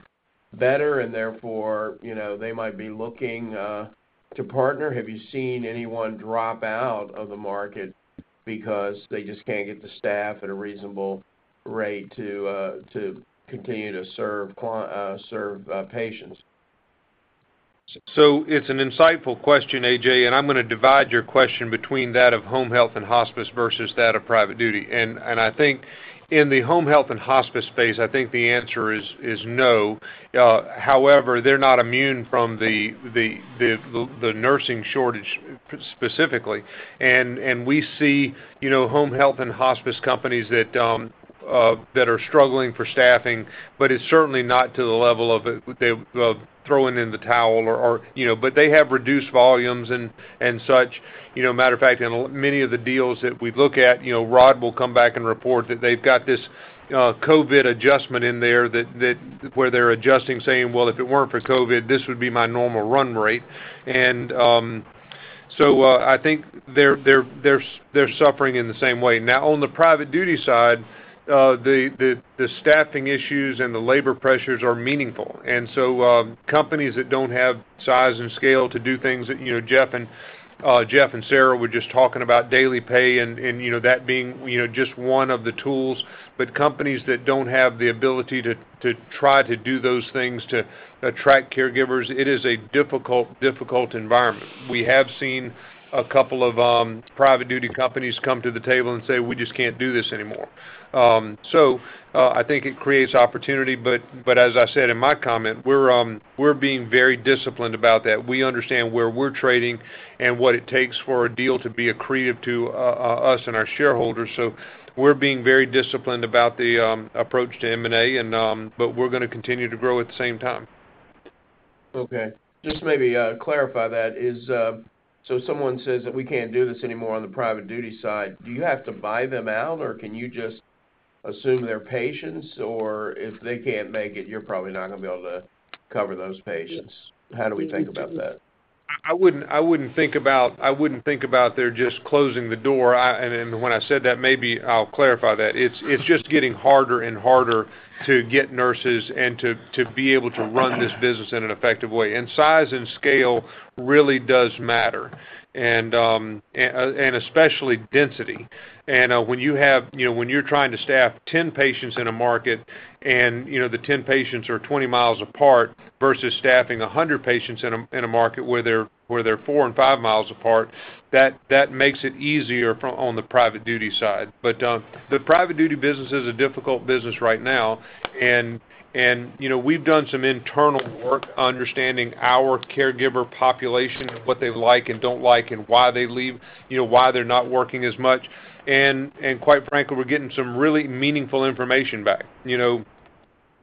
better and therefore, you know, they might be looking to partner? Have you seen anyone drop out of the market because they just can't get the staff at a reasonable rate to continue to serve patients? It's an insightful question, A.J., and I'm gonna divide your question between that of home health and hospice versus that of private duty. I think in the home health and hospice space, I think the answer is no. However, they're not immune from the nursing shortage specifically. We see, you know, Home Health and Hospice companies that are struggling for staffing, but it's certainly not to the level of throwing in the towel or, you know, but they have reduced volumes and such. You know, matter of fact, in many of the deals that we look at, you know, Rod will come back and report that they've got this COVID adjustment in there that where they're adjusting saying, "Well, if it weren't for COVID, this would be my normal run rate." I think they're suffering in the same way. Now on the private duty side, the staffing issues and the labor pressures are meaningful. Companies that don't have size and scale to do things that, you know, Jeff and Sarah were just talking about DailyPay and you know, that being you know, just one of the tools. Companies that don't have the ability to try to do those things to attract caregivers, it is a difficult environment. We have seen a couple of private duty companies come to the table and say, "We just can't do this anymore." I think it creates opportunity, but as I said in my comment, we're being very disciplined about that. We understand where we're trading and what it takes for a deal to be accretive to us and our shareholders. We're being very disciplined about the approach to M&A, but we're gonna continue to grow at the same time. Okay. Just maybe clarify that. Is so someone says that we can't do this anymore on the Private Duty side, do you have to buy them out, or can you just assume their patients? If they can't make it, you're probably not gonna be able to cover those patients. How do we think about that? I wouldn't think about they're just closing the door. Then when I said that, maybe I'll clarify that. It's just getting harder and harder to get nurses and to be able to run this business in an effective way. Size and scale really does matter and especially density. When you're trying to staff 10 patients in a market and the 10 patients are 20 mi apart versus staffing 100 patients in a market where they're 4 mi and 5 mi apart, that makes it easier on the Private Duty side. The Private Duty business is a difficult business right now and you know, we've done some internal work understanding our caregiver population and what they like and don't like and why they leave, you know, why they're not working as much. Quite frankly, we're getting some really meaningful information back. You know,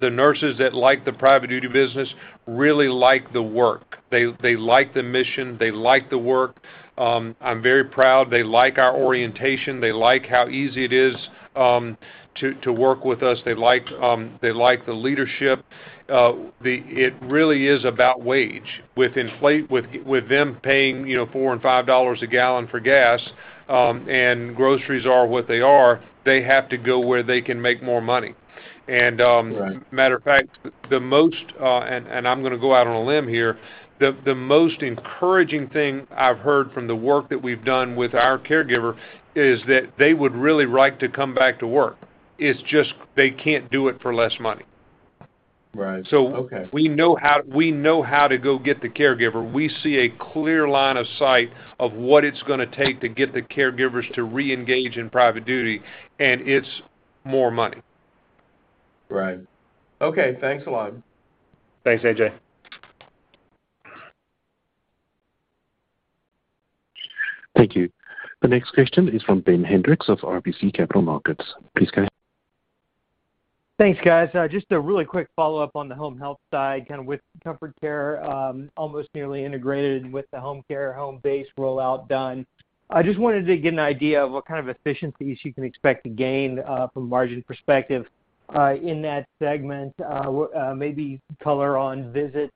the nurses that like the private duty business really like the work. They like the mission. They like the work. I'm very proud they like our orientation. They like how easy it is to work with us. They like the leadership. It really is about wage. With them paying, you know, $4 and $5 a gallon for gas and groceries are what they are, they have to go where they can make more money. Right. Matter of fact, I'm gonna go out on a limb here. The most encouraging thing I've heard from the work that we've done with our caregiver is that they would really like to come back to work. It's just they can't do it for less money. Right. Okay. We know how to go get the caregiver. We see a clear line of sight of what it's gonna take to get the caregivers to reengage in private duty, and it's more money. Right. Okay. Thanks a lot. Thanks, A.J. Thank you. The next question is from Ben Hendrix of RBC Capital Markets. Please go ahead. Thanks, guys. Just a really quick follow-up on the home health side, kind of with Comfort Care almost nearly integrated with the Homecare Homebase rollout done. I just wanted to get an idea of what kind of efficiencies you can expect to gain from a margin perspective in that segment. Maybe color on visits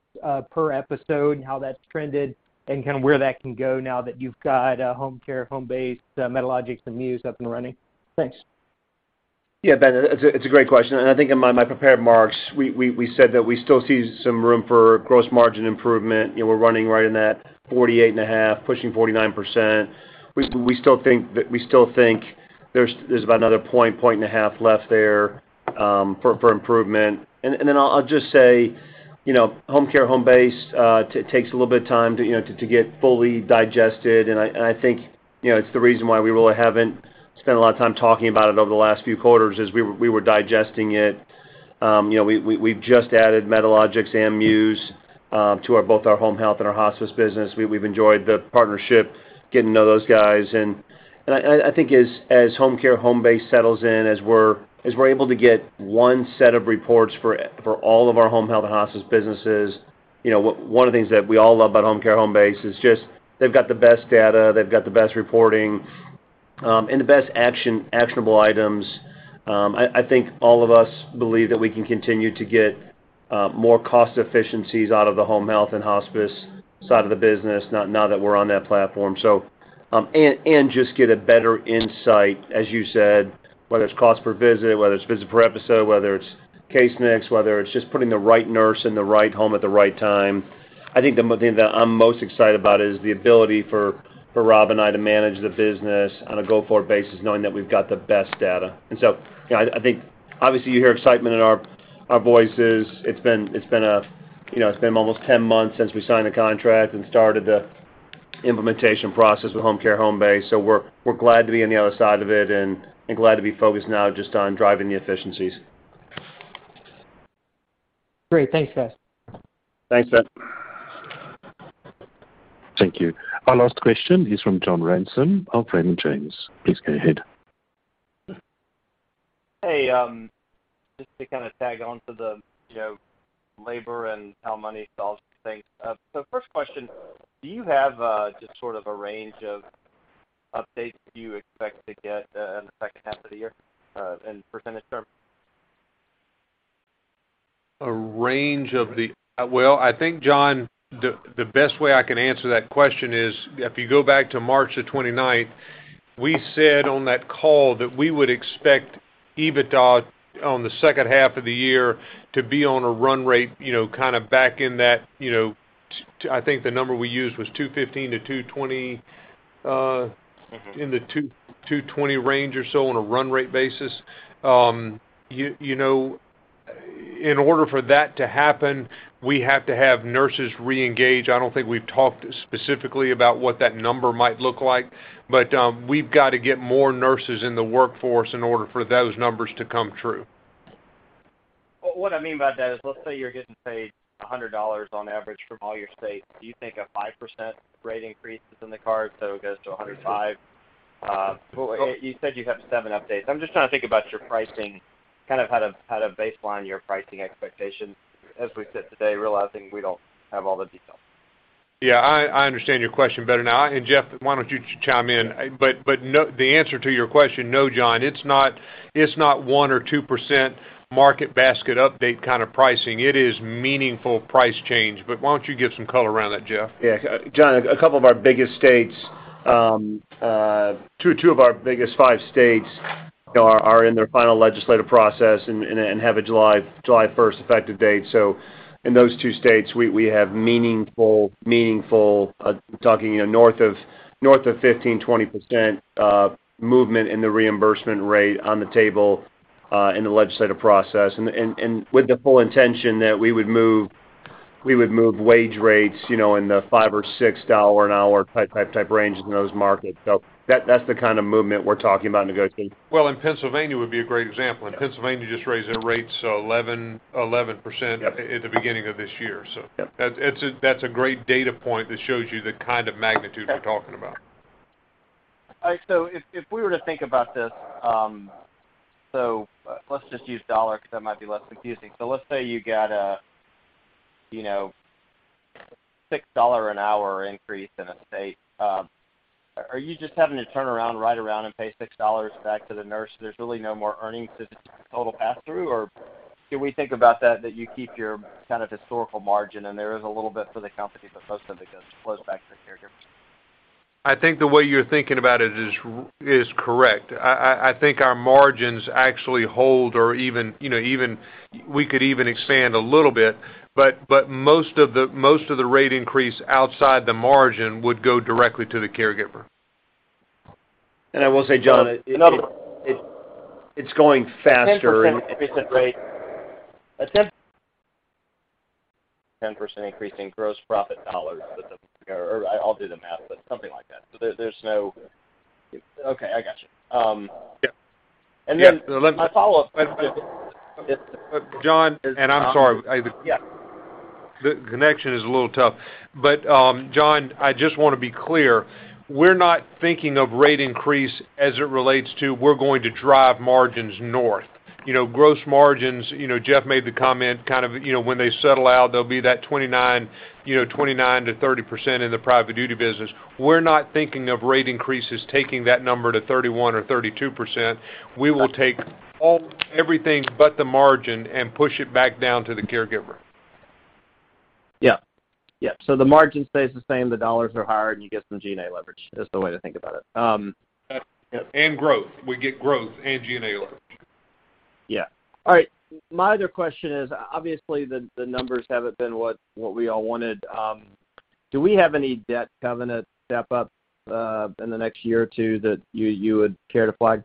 per episode, how that's trended, and kind of where that can go now that you've got Homecare Homebase, Medalogix and Muse up and running. Thanks. Yeah. Ben, it's a great question. I think in my prepared remarks, we said that we still see some room for gross margin improvement. You know, we're running right in that 48.5%, pushing 49%. We still think there's about another 1.5 points left there for improvement. Then, I'll just say, you know, Homecare Homebase takes a little bit of time to get fully digested. I think, you know, it's the reason why we really haven't spent a lot of time talking about it over the last few quarters is we were digesting it. You know, we've just added Medalogix and Muse to both our home health and our hospice business. We've enjoyed the partnership, getting to know those guys. I think as Homecare Homebase settles in, as we're able to get one set of reports for all of our Home Health and Hospice businesses. You know, one of the things that we all love about Homecare Homebase is just they've got the best data, they've got the best reporting, and the best actionable items. I think all of us believe that we can continue to get more cost efficiencies out of the home health and hospice side of the business now that we're on that platform. Just get a better insight, as you said, whether it's cost per visit, whether it's visit per episode, whether it's case mix, whether it's just putting the right nurse in the right home at the right time. I think the thing that I'm most excited about is the ability for Rob and I to manage the business on a go-forward basis, knowing that we've got the best data. You know, I think obviously you hear excitement in our voices. It's been almost 10 months since we signed the contract and started the implementation process with Homecare Homebase. We're glad to be on the other side of it and glad to be focused now just on driving the efficiencies. Great. Thanks, guys. Thanks, Ben. Thank you. Our last question is from John Ransom of Raymond James. Please go ahead. Hey, just to kinda tag on to the, you know, labor and how money solves things. First question, do you have just sort of a range of updates you expect to get in the second half of the year in percentage terms? Well, I think, John, the best way I can answer that question is, if you go back to March the 29th, we said on that call that we would expect EBITDA on the second half of the year to be on a run rate, you know, kinda back in that, you know, I think the number we used was 215-220. Mm-hmm In the $220 range or so on a run rate basis. You know, in order for that to happen, we have to have nurses reengage. I don't think we've talked specifically about what that number might look like. We've gotta get more nurses in the workforce in order for those numbers to come true. Well, what I mean by that is, let's say you're getting paid $100 on average from all your states. Do you think a 5% rate increase is in the cards, so it goes to $105? Well, you said you have seven updates. I'm just trying to think about your pricing, kind of how to baseline your pricing expectations as we sit today, realizing we don't have all the details. Yeah, I understand your question better now. Jeff, why don't you chime in? No, the answer to your question, no, John, it's not 1% or 2% market basket update kinda pricing. It is meaningful price change. Why don't you give some color around that, Jeff? Yeah. John, a couple of our biggest states, two of our biggest five states are in their final legislative process and have a July first effective date. In those two states, we have meaningful, you know, north of 15%-20% movement in the reimbursement rate on the table in the legislative process. With the full intention that we would move wage rates, you know, in the $5 or $6 an hour type range in those markets. That's the kinda movement we're talking about negotiating. Well, Pennsylvania would be a great example. Yeah. Pennsylvania just raised their rates 11%. Yep At the beginning of this year. Yep. That's a great data point that shows you the kind of magnitude we're talking about. All right. If we were to think about this, let's just use dollar 'cause that might be less confusing. Let's say you got a, you know, $6 an hour increase in a state. Are you just having to turn around right around, and pay $6 back to the nurse? There's really no more earnings to totally pass through? Or can we think about that you keep your kind of historical margin and there is a little bit for the company, but most of it flows back to the caregivers? I think the way you're thinking about it is correct. I think our margins actually hold or even, you know, even we could even expand a little bit. Most of the rate increase outside the margin would go directly to the caregiver. I will say, John, it. The number. It's going faster and 10% increase in rate. 10% increase in gross profit dollars. I'll do the math, but something like that. Okay, I got you. Yeah. My follow-up. John, I'm sorry. Yeah. The connection is a little tough. John, I just wanna be clear. We're not thinking of rate increase as it relates to, we're going to drive margins north. You know, gross margins, you know, Jeff made the comment kind of, you know, when they settle out, there'll be that 29%-30% in the private duty business. We're not thinking of rate increases taking that number to 31% or 32%. We will take all, everything but the margin and push it back down to the caregiver. Yeah. Yeah. The margin stays the same, the dollars are higher, and you get some G&A leverage. That's the way to think about it. Growth. We get growth and G&A leverage. Yeah. All right. My other question is, obviously the numbers haven't been what we all wanted. Do we have any debt covenant step up in the next year or two that you would care to flag?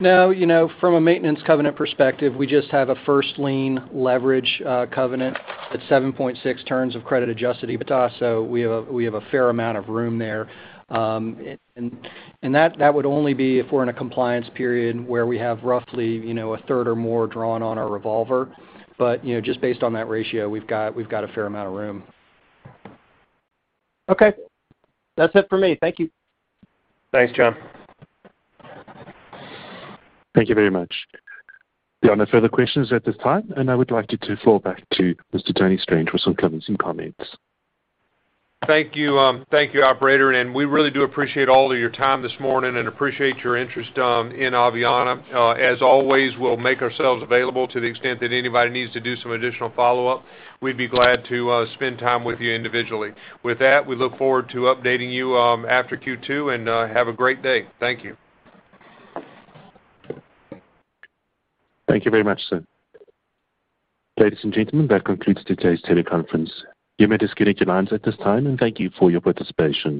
No. You know, from a maintenance covenant perspective, we just have a first lien leverage covenant at 7.6x credit-adjusted EBITDA, so we have a fair amount of room there. That would only be if we're in a compliance period where we have roughly, you know, a third or more drawn on our revolver. You know, just based on that ratio, we've got a fair amount of room. Okay. That's it for me. Thank you. Thanks, John. Thank you very much. There are no further questions at this time, and I would like to defer back to Mr. Tony Strange for some closing comments. Thank you. Thank you, operator, and we really do appreciate all of your time this morning and appreciate your interest in Aveanna. As always, we'll make ourselves available to the extent that anybody needs to do some additional follow-up. We'd be glad to spend time with you individually. With that, we look forward to updating you after Q2, and have a great day. Thank you. Thank you very much, sir. Ladies and gentlemen, that concludes today's teleconference. You may disconnect your lines at this time, and thank you for your participation.